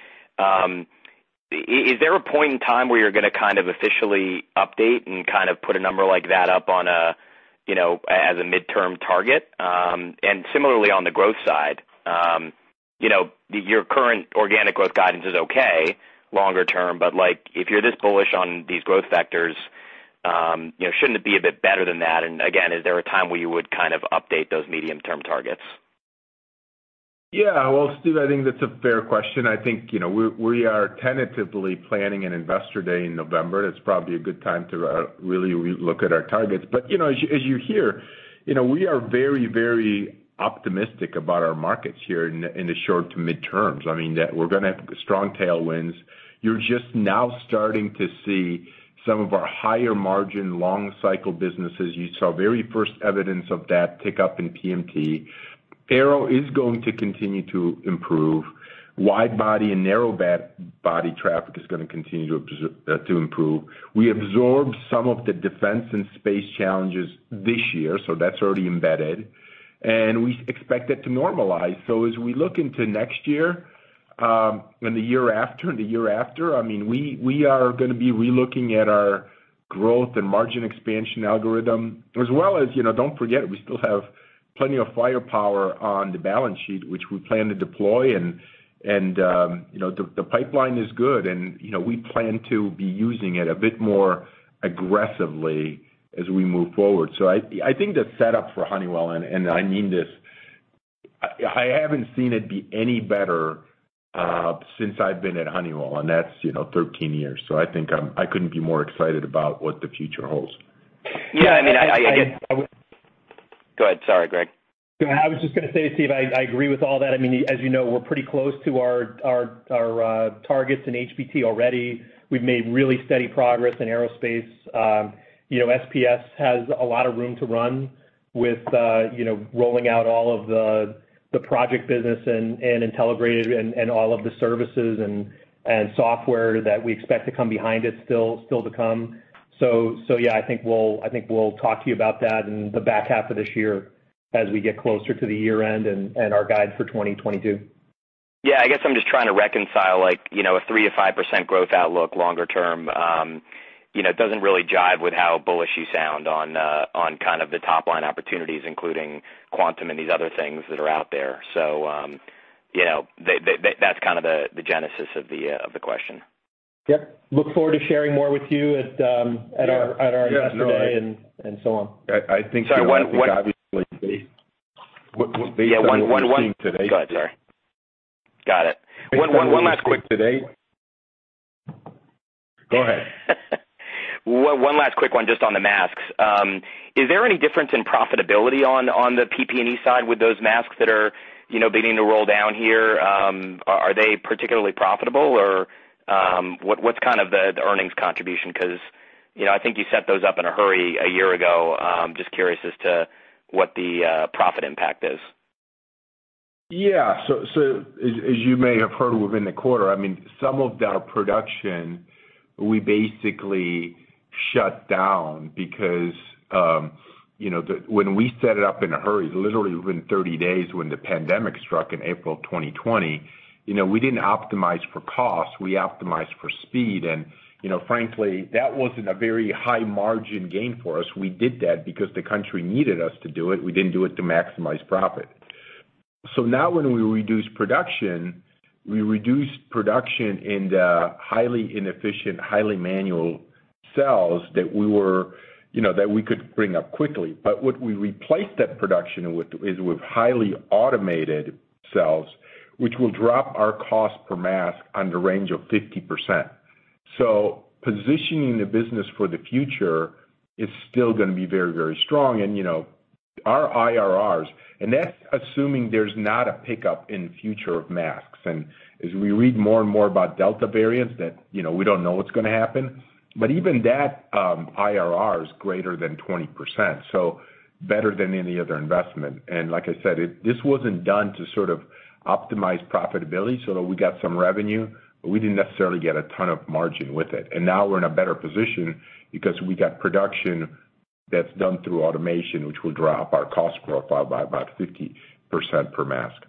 Is there a point in time where you're going to kind of officially update and kind of put a number like that up as a midterm target? Similarly, on the growth side, your current organic growth guidance is okay longer term, but if you're this bullish on these growth vectors, shouldn't it be a bit better than that? Again, is there a time where you would kind of update those medium-term targets? Yeah. Well, Steve, I think that's a fair question. I think we are tentatively planning an investor day in November. That's probably a good time to really re-look at our targets. As you hear, we are very optimistic about our markets here in the short to midterms. We're going to have strong tailwinds. You're just now starting to see some of our higher margin, long cycle businesses. You saw very first evidence of that pick up in PMT. Aero is going to continue to improve. Wide body and narrow body traffic is going to continue to improve. We absorbed some of the defense and space challenges this year, so that's already embedded, and we expect it to normalize. As we look into next year, and the year after, and the year after, we are going to be re-looking at our growth and margin expansion algorithm. Don't forget, we still have plenty of firepower on the balance sheet, which we plan to deploy. The pipeline is good. We plan to be using it a bit more aggressively as we move forward. I think the setup for Honeywell, I mean this, I haven't seen it be any better since I've been at Honeywell. That's 13 years. I couldn't be more excited about what the future holds. Yeah, I get. Go ahead. Sorry, Greg. I was just going to say, Steve, I agree with all that. As you know, we're pretty close to our targets in HBT already. We've made really steady progress in aerospace. SPS has a lot of room to run with rolling out all of the project business, and Intelligrated, and all of the services and software that we expect to come behind it still to come. Yeah, I think we'll talk to you about that in the back half of this year as we get closer to the year end and our guide for 2022. Yeah, I guess I'm just trying to reconcile like, a 3%-5% growth outlook longer term. It doesn't really jive with how bullish you sound on kind of the top-line opportunities, including Quantum and these other things that are out there. That's kind of the genesis of the question. Yep. Look forward to sharing more with you at our Investor Day and so on. I think [crosstalks] Go ahead, sorry. Got it. Based on what we've seen today. Go ahead. One last quick one just on the masks. Is there any difference in profitability on the PPE side with those masks that are beginning to roll down here? Are they particularly profitable, or what's kind of the earnings contribution? I think you set those up in a hurry a year ago. Just curious as to what the profit impact is. As you may have heard within the quarter, some of that production, we basically shut down because when we set it up in a hurry, literally within 30 days when the pandemic struck in April 2020, we didn't optimize for cost, we optimized for speed. Frankly, that wasn't a very high-margin gain for us. We did that because the country needed us to do it. We didn't do it to maximize profit. Now when we reduce production, we reduce production in the highly inefficient, highly manual cells that we could bring up quickly. What we replaced that production with is with highly automated cells, which will drop our cost per mask on the range of 50%. Positioning the business for the future is still going to be very, very strong, and our IRRs, and that's assuming there's not a pickup in future of masks. As we read more and more about Delta variants that we don't know what's going to happen, but even that IRR is greater than 20%, so better than any other investment. Like I said, this wasn't done to sort of optimize profitability so that we got some revenue, but we didn't necessarily get a ton of margin with it. Now we're in a better position because we got production that's done through automation, which will drop our cost profile by about 50% per mask.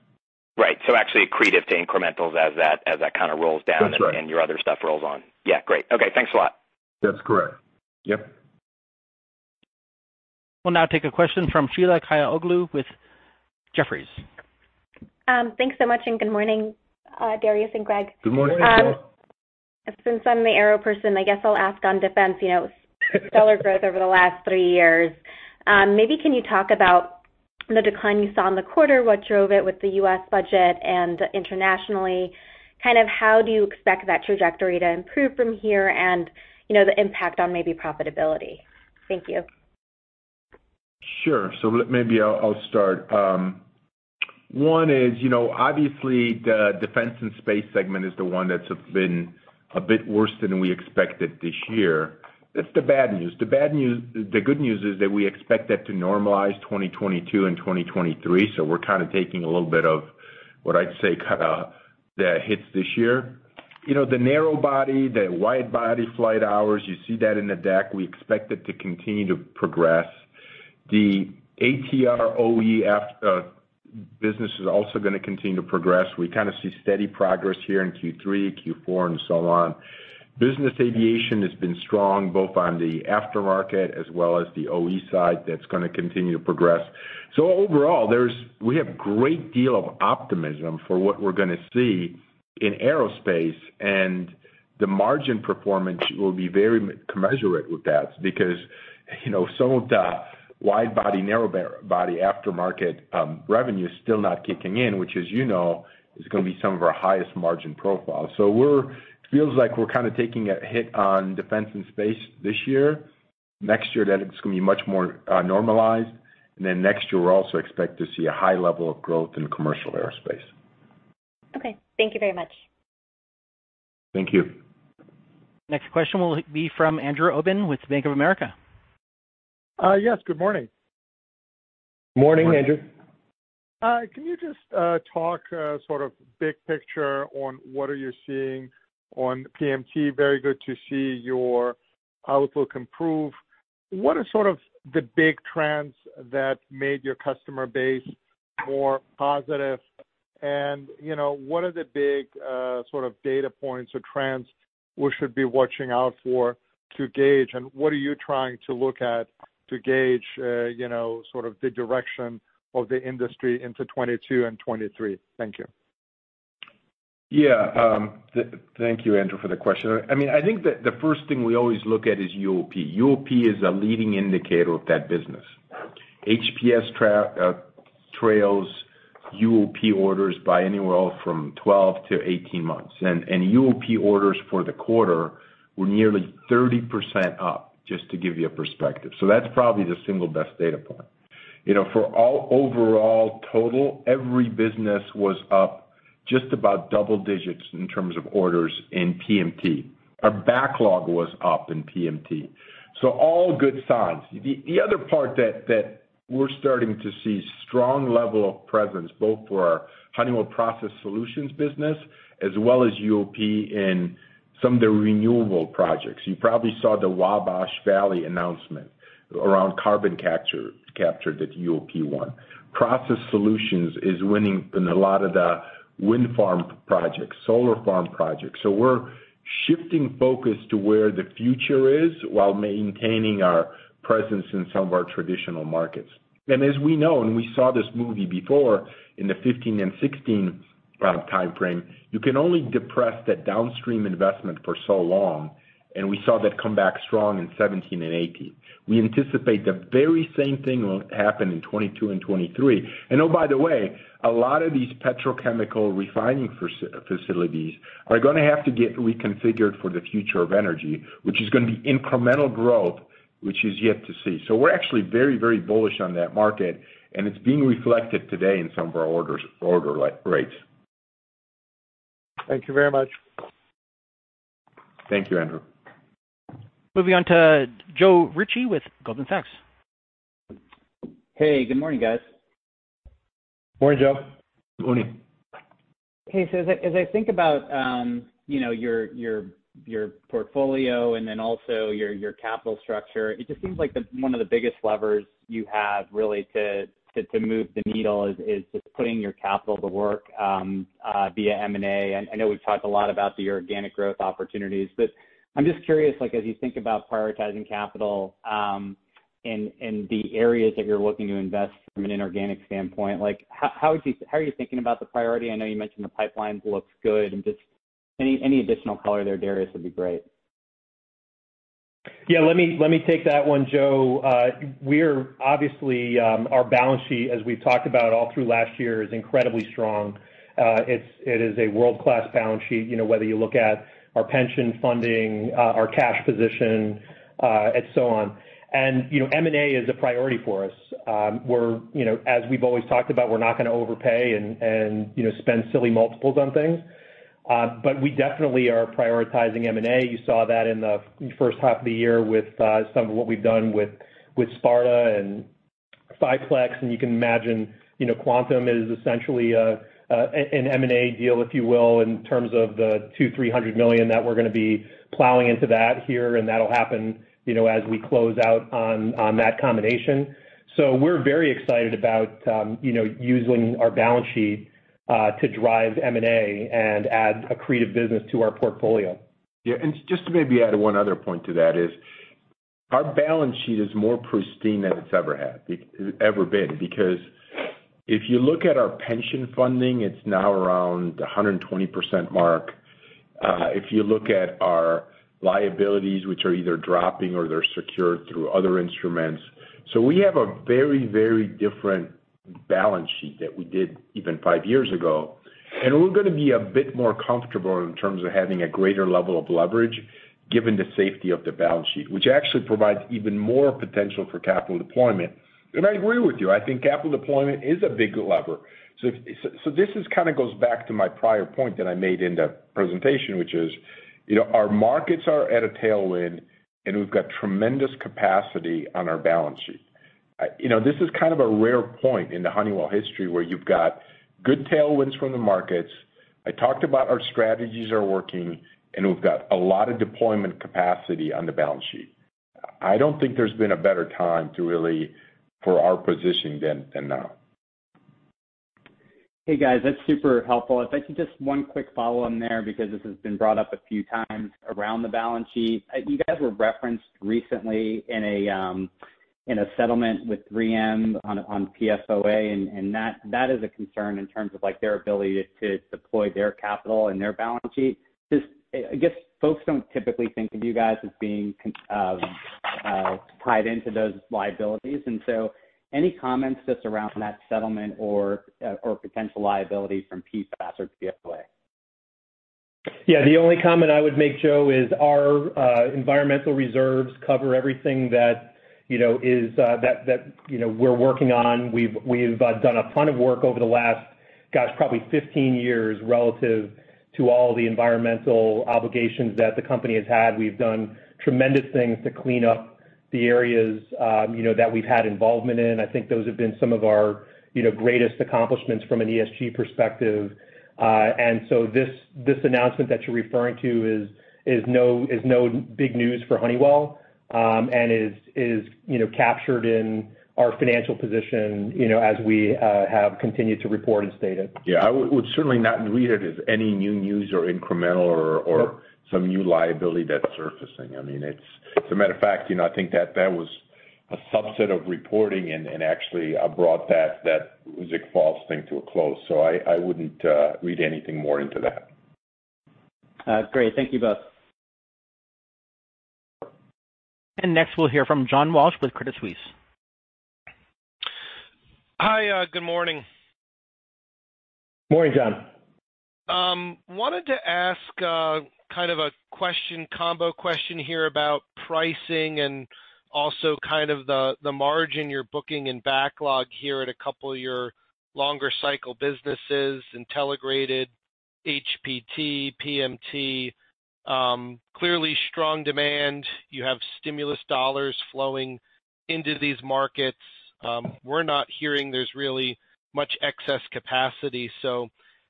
Right. actually accretive to incrementals as that kind of rolls down your other stuff rolls on. Yeah, great. Okay, thanks a lot. That's correct. Yep. We'll now take a question from Sheila Kahyaoglu with Jefferies. Thanks so much, good morning, Darius and Greg. Good morning. Good morning. Since I'm the Aero person, I guess I'll ask on defense, stellar growth over the last three years. Maybe can you talk about the decline you saw in the quarter, what drove it with the U.S. budget and internationally? Kind of how do you expect that trajectory to improve from here and the impact on maybe profitability? Thank you. Sure. Maybe I'll start. One is, obviously the Defense and Space segment is the one that's been a bit worse than we expected this year. That's the bad news. The good news is that we expect that to normalize 2022 and 2023, so we're kind of taking a little bit of what I'd say kind of the hits this year. The narrow body, the wide body flight hours, you see that in the deck. We expect it to continue to progress. The ATR OE business is also going to continue to progress. We kind of see steady progress here in Q3, Q4, and so on. Business aviation has been strong both on the aftermarket as well as the OE side. That's going to continue to progress. Overall, we have great deal of optimism for what we're going to see in aerospace, and the margin performance will be very commensurate with that because some of the wide body, narrow body aftermarket revenue is still not kicking in, which as you know, is going to be some of our highest margin profiles. It feels like we're kind of taking a hit on defense and space this year. Next year, that is going to be much more normalized. Next year, we also expect to see a high level of growth in the commercial aerospace. Okay. Thank you very much. Thank you. Next question will be from Andrew Obin with Bank of America. Yes, good morning. Morning, Andrew. Can you just talk sort of big picture on what are you seeing on PMT? Very good to see your outlook improve. What are sort of the big trends that made your customer base more positive, and what are the big sort of data points or trends we should be watching out for to gauge? What are you trying to look at to gauge sort of the direction of the industry into 2022 and 2023? Thank you. Yeah. Thank you, Andrew, for the question. I think that the first thing we always look at is UOP. UOP is a leading indicator of that business. HPS trails UOP orders by anywhere from 12 to 18 months, and UOP orders for the quarter were nearly 30% up, just to give you a perspective. That's probably the single best data point. For all overall total, every business was up just about double digits in terms of orders in PMT. Our backlog was up in PMT. All good signs. The other part that we're starting to see strong level of presence both for our Honeywell Process Solutions business as well as UOP in some of the renewable projects. You probably saw the Wabash Valley announcement around carbon capture that UOP won. Process Solutions is winning in a lot of the wind farm projects, solar farm projects. We're shifting focus to where the future is, while maintaining our presence in some of our traditional markets. As we know, and we saw this movie before in the 2015 and 2016 time frame, you can only depress that downstream investment for so long, and we saw that come back strong in 2017 and 2018. We anticipate the very same thing will happen in 2022 and 2023. Oh, by the way, a lot of these petrochemical refining facilities are going to have to get reconfigured for the future of energy, which is going to be incremental growth, which is yet to see. We're actually very bullish on that market, and it's being reflected today in some of our order rates. Thank you very much. Thank you, Andrew. Moving on to Joe Ritchie with Goldman Sachs. Hey, good morning, guys. Morning, Joe. Morning. Okay. As I think about your portfolio and then also your capital structure, it just seems like one of the biggest levers you have, really, to move the needle is just putting your capital to work via M&A. I know we've talked a lot about your organic growth opportunities, but I'm just curious, as you think about prioritizing capital in the areas that you're looking to invest from an inorganic standpoint, how are you thinking about the priority? I know you mentioned the pipeline looks good and just any additional color there, Darius, would be great. Yeah. Let me take that one, Joe. Obviously, our balance sheet, as we've talked about all through last year, is incredibly strong. It is a world-class balance sheet, whether you look at our pension funding, our cash position, and so on. M&A is a priority for us. As we've always talked about, we're not going to overpay and spend silly multiples on things. We definitely are prioritizing M&A. You saw that in the first half of the year with some of what we've done with Sparta and Fiplex. You can imagine, Quantum is essentially an M&A deal, if you will, in terms of the $200 million-$300 million that we're going to be plowing into that here, and that'll happen as we close out on that combination. We're very excited about using our balance sheet to drive M&A and add accretive business to our portfolio. Yeah. Just to maybe add one other point to that is our balance sheet is more pristine than it's ever been. Because if you look at our pension funding, it's now around 120% mark. If you look at our liabilities, which are either dropping or they're secured through other instruments. We have a very different balance sheet than we did even five years ago, and we're going to be a bit more comfortable in terms of having a greater level of leverage given the safety of the balance sheet, which actually provides even more potential for capital deployment. I agree with you, I think capital deployment is a big lever. This kind of goes back to my prior point that I made in the presentation, which is, our markets are at a tailwind, and we've got tremendous capacity on our balance sheet. This is kind of a rare point in the Honeywell history where you've got good tailwinds from the markets. I talked about our strategies are working, and we've got a lot of deployment capacity on the balance sheet. I don't think there's been a better time for our position than now. Hey, guys, that's super helpful. If I could just one quick follow-on there, because this has been brought up a few times around the balance sheet. You guys were referenced recently in a settlement with 3M on PFOA. That is a concern in terms of their ability to deploy their capital and their balance sheet. I guess folks don't typically think of you guys as being tied into those liabilities. Any comments just around that settlement or potential liability from PFAS or PFOA? The only comment I would make, Joe, is our environmental reserves cover everything that we're working on. We've done a ton of work over the last, gosh, probably 15 years relative to all the environmental obligations that the company has had. We've done tremendous things to clean up the areas that we've had involvement in. I think those have been some of our greatest accomplishments from an ESG perspective. This announcement that you're referring to is no big news for Honeywell, and is captured in our financial position as we have continued to report and state it. Yeah, I would certainly not read it as any new news or incremental or some new liability that's surfacing. As a matter of fact, I think that was a subset of reporting and actually brought that PFAS thing to a close. I wouldn't read anything more into that. Great. Thank you both. Next we'll hear from John Walsh with Credit Suisse. Hi. Good morning. Morning, John. Wanted to ask kind of a combo question here about pricing and also kind of the margin you're booking in backlog here at a couple of your longer cycle businesses, Intelligrated, HBT, PMT. Clearly strong demand. You have stimulus dollars flowing into these markets. We're not hearing there's really much excess capacity.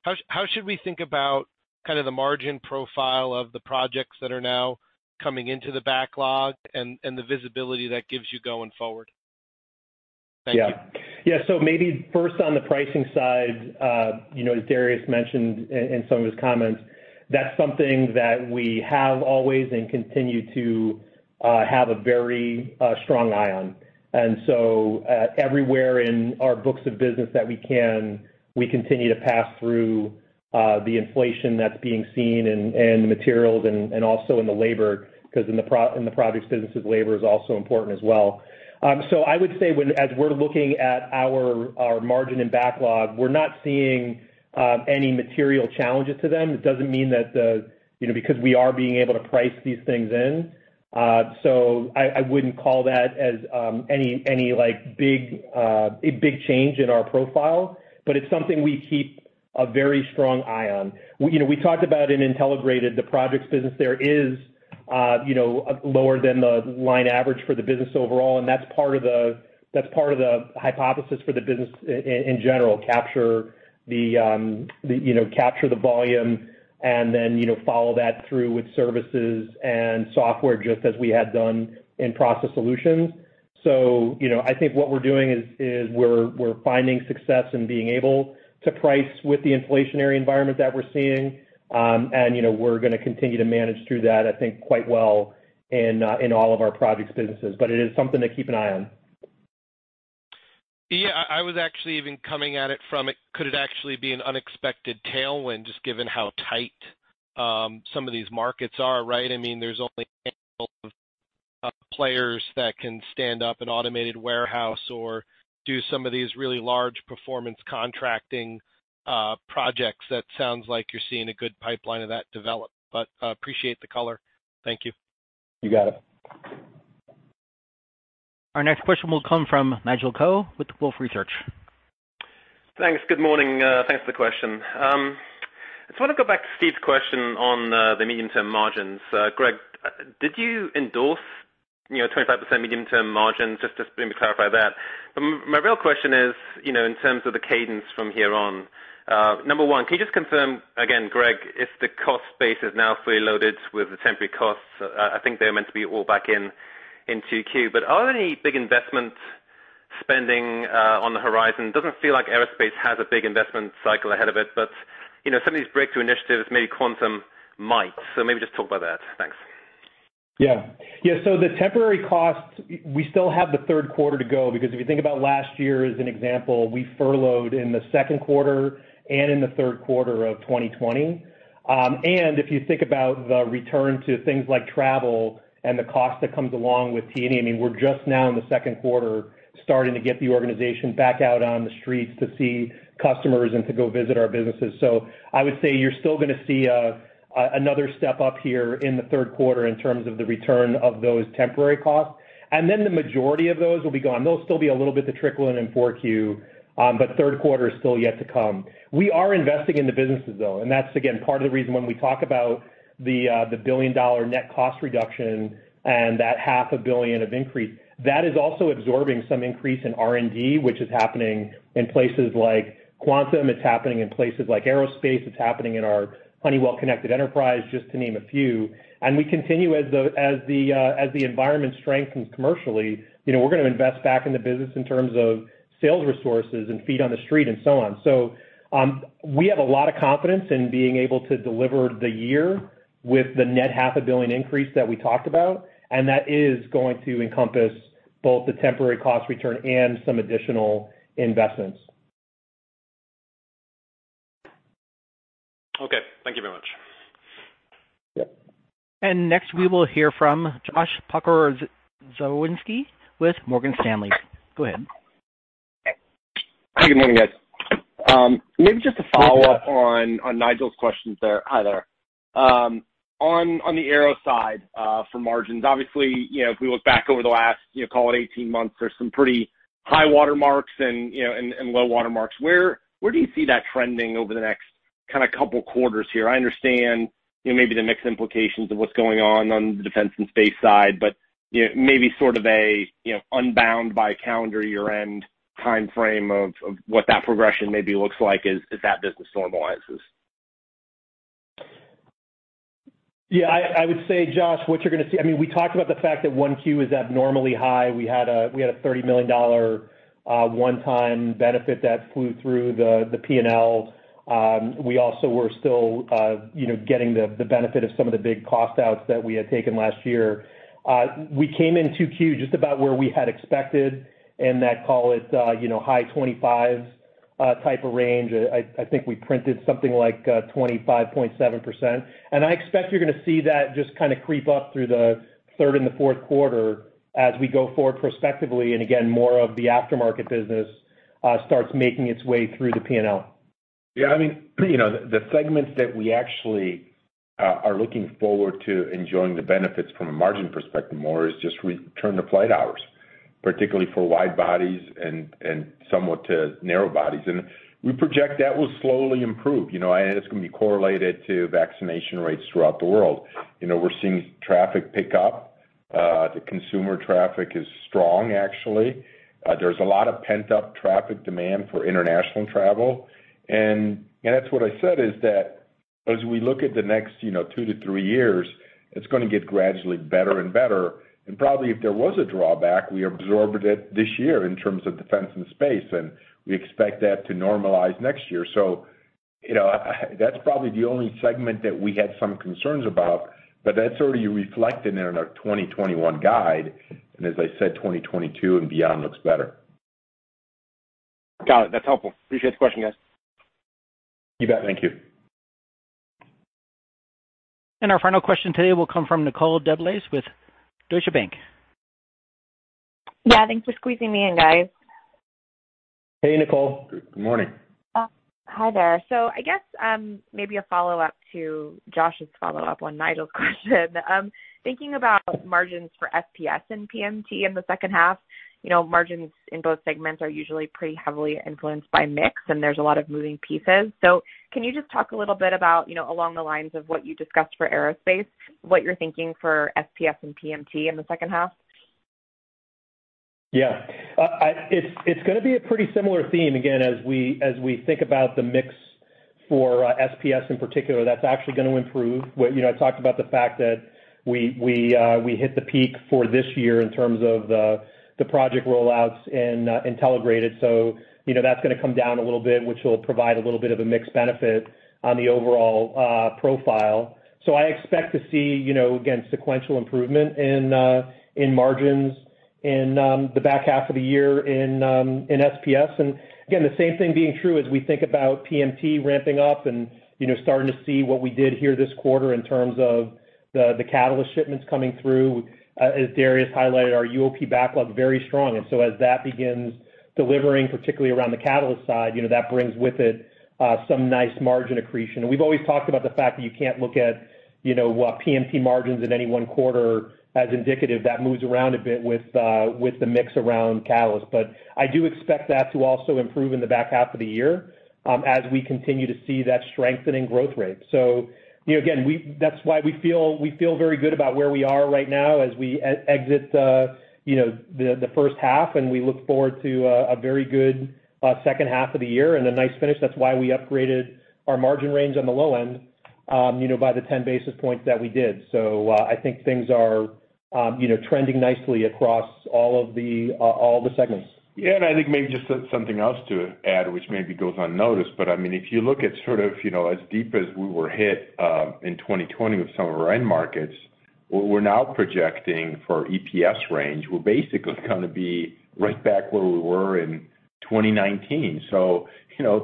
How should we think about kind of the margin profile of the projects that are now coming into the backlog and the visibility that gives you going forward? Thank you. Maybe first on the pricing side, as Darius mentioned in some of his comments, that's something that we have always and continue to have a very strong eye on. Everywhere in our books of business that we can, we continue to pass through the inflation that's being seen and the materials and also in the labor, because in the projects business, labor is also important as well. I would say as we're looking at our margin and backlog, we're not seeing any material challenges to them. It doesn't mean that because we are being able to price these things in, so I wouldn't call that as a big change in our profile, but it's something we keep a very strong eye on. We talked about in Intelligrated, the projects business there is lower than the line average for the business overall, and that's part of the hypothesis for the business in general: capture the volume and then follow that through with services and software, just as we had done in Process Solutions. I think what we're doing is we're finding success in being able to price with the inflationary environment that we're seeing. We're going to continue to manage through that, I think, quite well in all of our projects businesses. It is something to keep an eye on. Yeah, I was actually even coming at it from, could it actually be an unexpected tailwind, just given how tight some of these markets are, right? There's only a handful of players that can stand up an automated warehouse or do some of these really large performance contracting projects. That sounds like you're seeing a good pipeline of that develop, but appreciate the color. Thank you. You got it. Our next question will come from Nigel Coe with Wolfe Research. Thanks. Good morning. Thanks for the question. I just want to go back to Steve's question on the medium-term margins. Greg, did you endorse 25% medium-term margins? Just maybe clarify that. My real question is, in terms of the cadence from here on, number one, can you just confirm again, Greg, if the cost base is now fully loaded with the temporary costs? I think they're meant to be all back in in Q2. Are there any big investment spendings on the horizon? It doesn't feel like Aerospace has a big investment cycle ahead of it, but some of these breakthrough initiatives, maybe quantum might. Maybe just talk about that. Thanks. Yeah. The temporary costs, we still have the third quarter to go, because if you think about last year as an example, we furloughed in the second quarter and in the third quarter of 2020. If you think about the return to things like travel and the cost that comes along with T&E, we're just now in the second quarter, starting to get the organization back out on the streets to see customers and to go visit our businesses. I would say you're still going to see another step up here in the third quarter in terms of the return of those temporary costs. The majority of those will be gone. There'll still be a little bit that trickle in in Q4, third quarter is still yet to come. We are investing in the businesses, though, that's, again, part of the reason when we talk about the $1 billion net cost reduction and that half a billion of increase, that is also absorbing some increase in R&D, which is happening in places like Quantum. It's happening in places like Aerospace. It's happening in our Honeywell Connected Enterprise, just to name a few. We continue as the environment strengthens commercially, we're going to invest back in the business in terms of sales resources and feet on the street and so on. We have a lot of confidence in being able to deliver the year with the net half a billion increase that we talked about, that is going to encompass both the temporary cost return and some additional investments. Okay. Thank you very much. Yep. Next we will hear from Josh Pokrzywinski with Morgan Stanley. Go ahead. Good morning, guys. Good morning. on Nigel's questions there. Hi there. On the aero side, for margins, obviously, if we look back over the last, call it 18 months, there's some pretty high water marks and low water marks. Where do you see that trending over the next couple quarters here? I understand maybe the mixed implications of what's going on the defense and space side, but maybe sort of a unbound by calendar year-end timeframe of what that progression maybe looks like as that business normalizes. Yeah. I would say, Josh, what you're going to see, we talked about the fact that Q1 is abnormally high. We had a $30 million one-time benefit that flew through the P&L. We also were still getting the benefit of some of the big cost outs that we had taken last year. We came in Q2 just about where we had expected in that, call it, high 25 type of range. I think we printed something like 25.7%. I expect you're going to see that just kind of creep up through the third and the fourth quarter as we go forward prospectively, and again, more of the aftermarket business starts making its way through the P&L. Yeah. The segments that we actually are looking forward to enjoying the benefits from a margin perspective more is just return to flight hours, particularly for wide bodies and somewhat to narrow bodies. We project that will slowly improve, and it's going to be correlated to vaccination rates throughout the world. We're seeing traffic pick up The consumer traffic is strong, actually. There's a lot of pent-up traffic demand for international travel, that's what I said is that as we look at the next two to three years, it's going to get gradually better and better. Probably if there was a drawback, we absorbed it this year in terms of defense and space, and we expect that to normalize next year. That's probably the only segment that we had some concerns about, but that's already reflected in our 2021 guide, and as I said, 2022 and beyond looks better. Got it. That's helpful. Appreciate the question, guys. You bet. Thank you. Our final question today will come from Nicole DeBlase with Deutsche Bank. Yeah, thanks for squeezing me in, guys. Hey, Nicole. Good morning. Hi there. I guess, maybe a follow-up to Josh's follow-up on Nigel's question. Thinking about margins for SPS and PMT in the second half, margins in both segments are usually pretty heavily influenced by mix, and there's a lot of moving pieces. Can you just talk a little bit about, along the lines of what you discussed for Aerospace, what you're thinking for SPS and PMT in the second half? Yeah. It's going to be a pretty similar theme, again, as we think about the mix for SPS in particular. That's actually going to improve. I talked about the fact that we hit the peak for this year in terms of the project rollouts in Intelligrated, that's going to come down a little bit, which will provide a little bit of a mix benefit on the overall profile. I expect to see, again, sequential improvement in margins in the back half of the year in SPS. Again, the same thing being true as we think about PMT ramping up and starting to see what we did here this quarter in terms of the Catalyst shipments coming through. As Darius highlighted, our UOP backlog is very strong. As that begins delivering, particularly around the catalyst side, that brings with it some nice margin accretion. We've always talked about the fact that you can't look at PMT margins in any one quarter as indicative. I do expect that to also improve in the back half of the year as we continue to see that strengthening growth rate. Again, that's why we feel very good about where we are right now as we exit the first half, and we look forward to a very good second half of the year and a nice finish. That's why we upgraded our margin range on the low end by the 10 basis points that we did. I think things are trending nicely across all of the segments. I think maybe just something else to add, which maybe goes unnoticed, but if you look at sort of as deep as we were hit in 2020 with some of our end markets, what we're now projecting for EPS range, we're basically going to be right back where we were in 2019.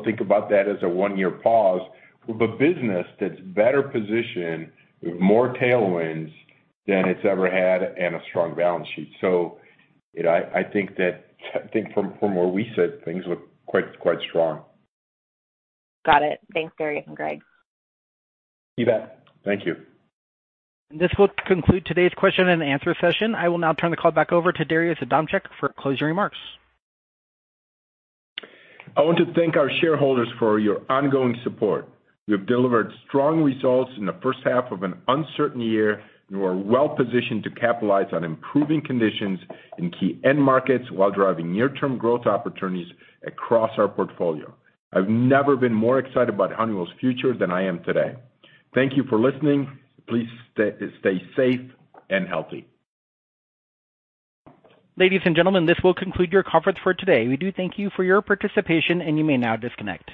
Think about that as a one-year pause with a business that's better positioned with more tailwinds than it's ever had and a strong balance sheet. I think from where we sit, things look quite strong. Got it. Thanks, Darius and Greg. You bet. Thank you. This will conclude today's question and answer session. I will now turn the call back over to Darius Adamczyk for closing remarks. I want to thank our shareholders for your ongoing support. We have delivered strong results in the first half of an uncertain year, and we're well-positioned to capitalize on improving conditions in key end markets while driving near-term growth opportunities across our portfolio. I've never been more excited about Honeywell's future than I am today. Thank you for listening. Please stay safe and healthy. Ladies and gentlemen, this will conclude your conference for today. We do thank you for your participation, and you may now disconnect.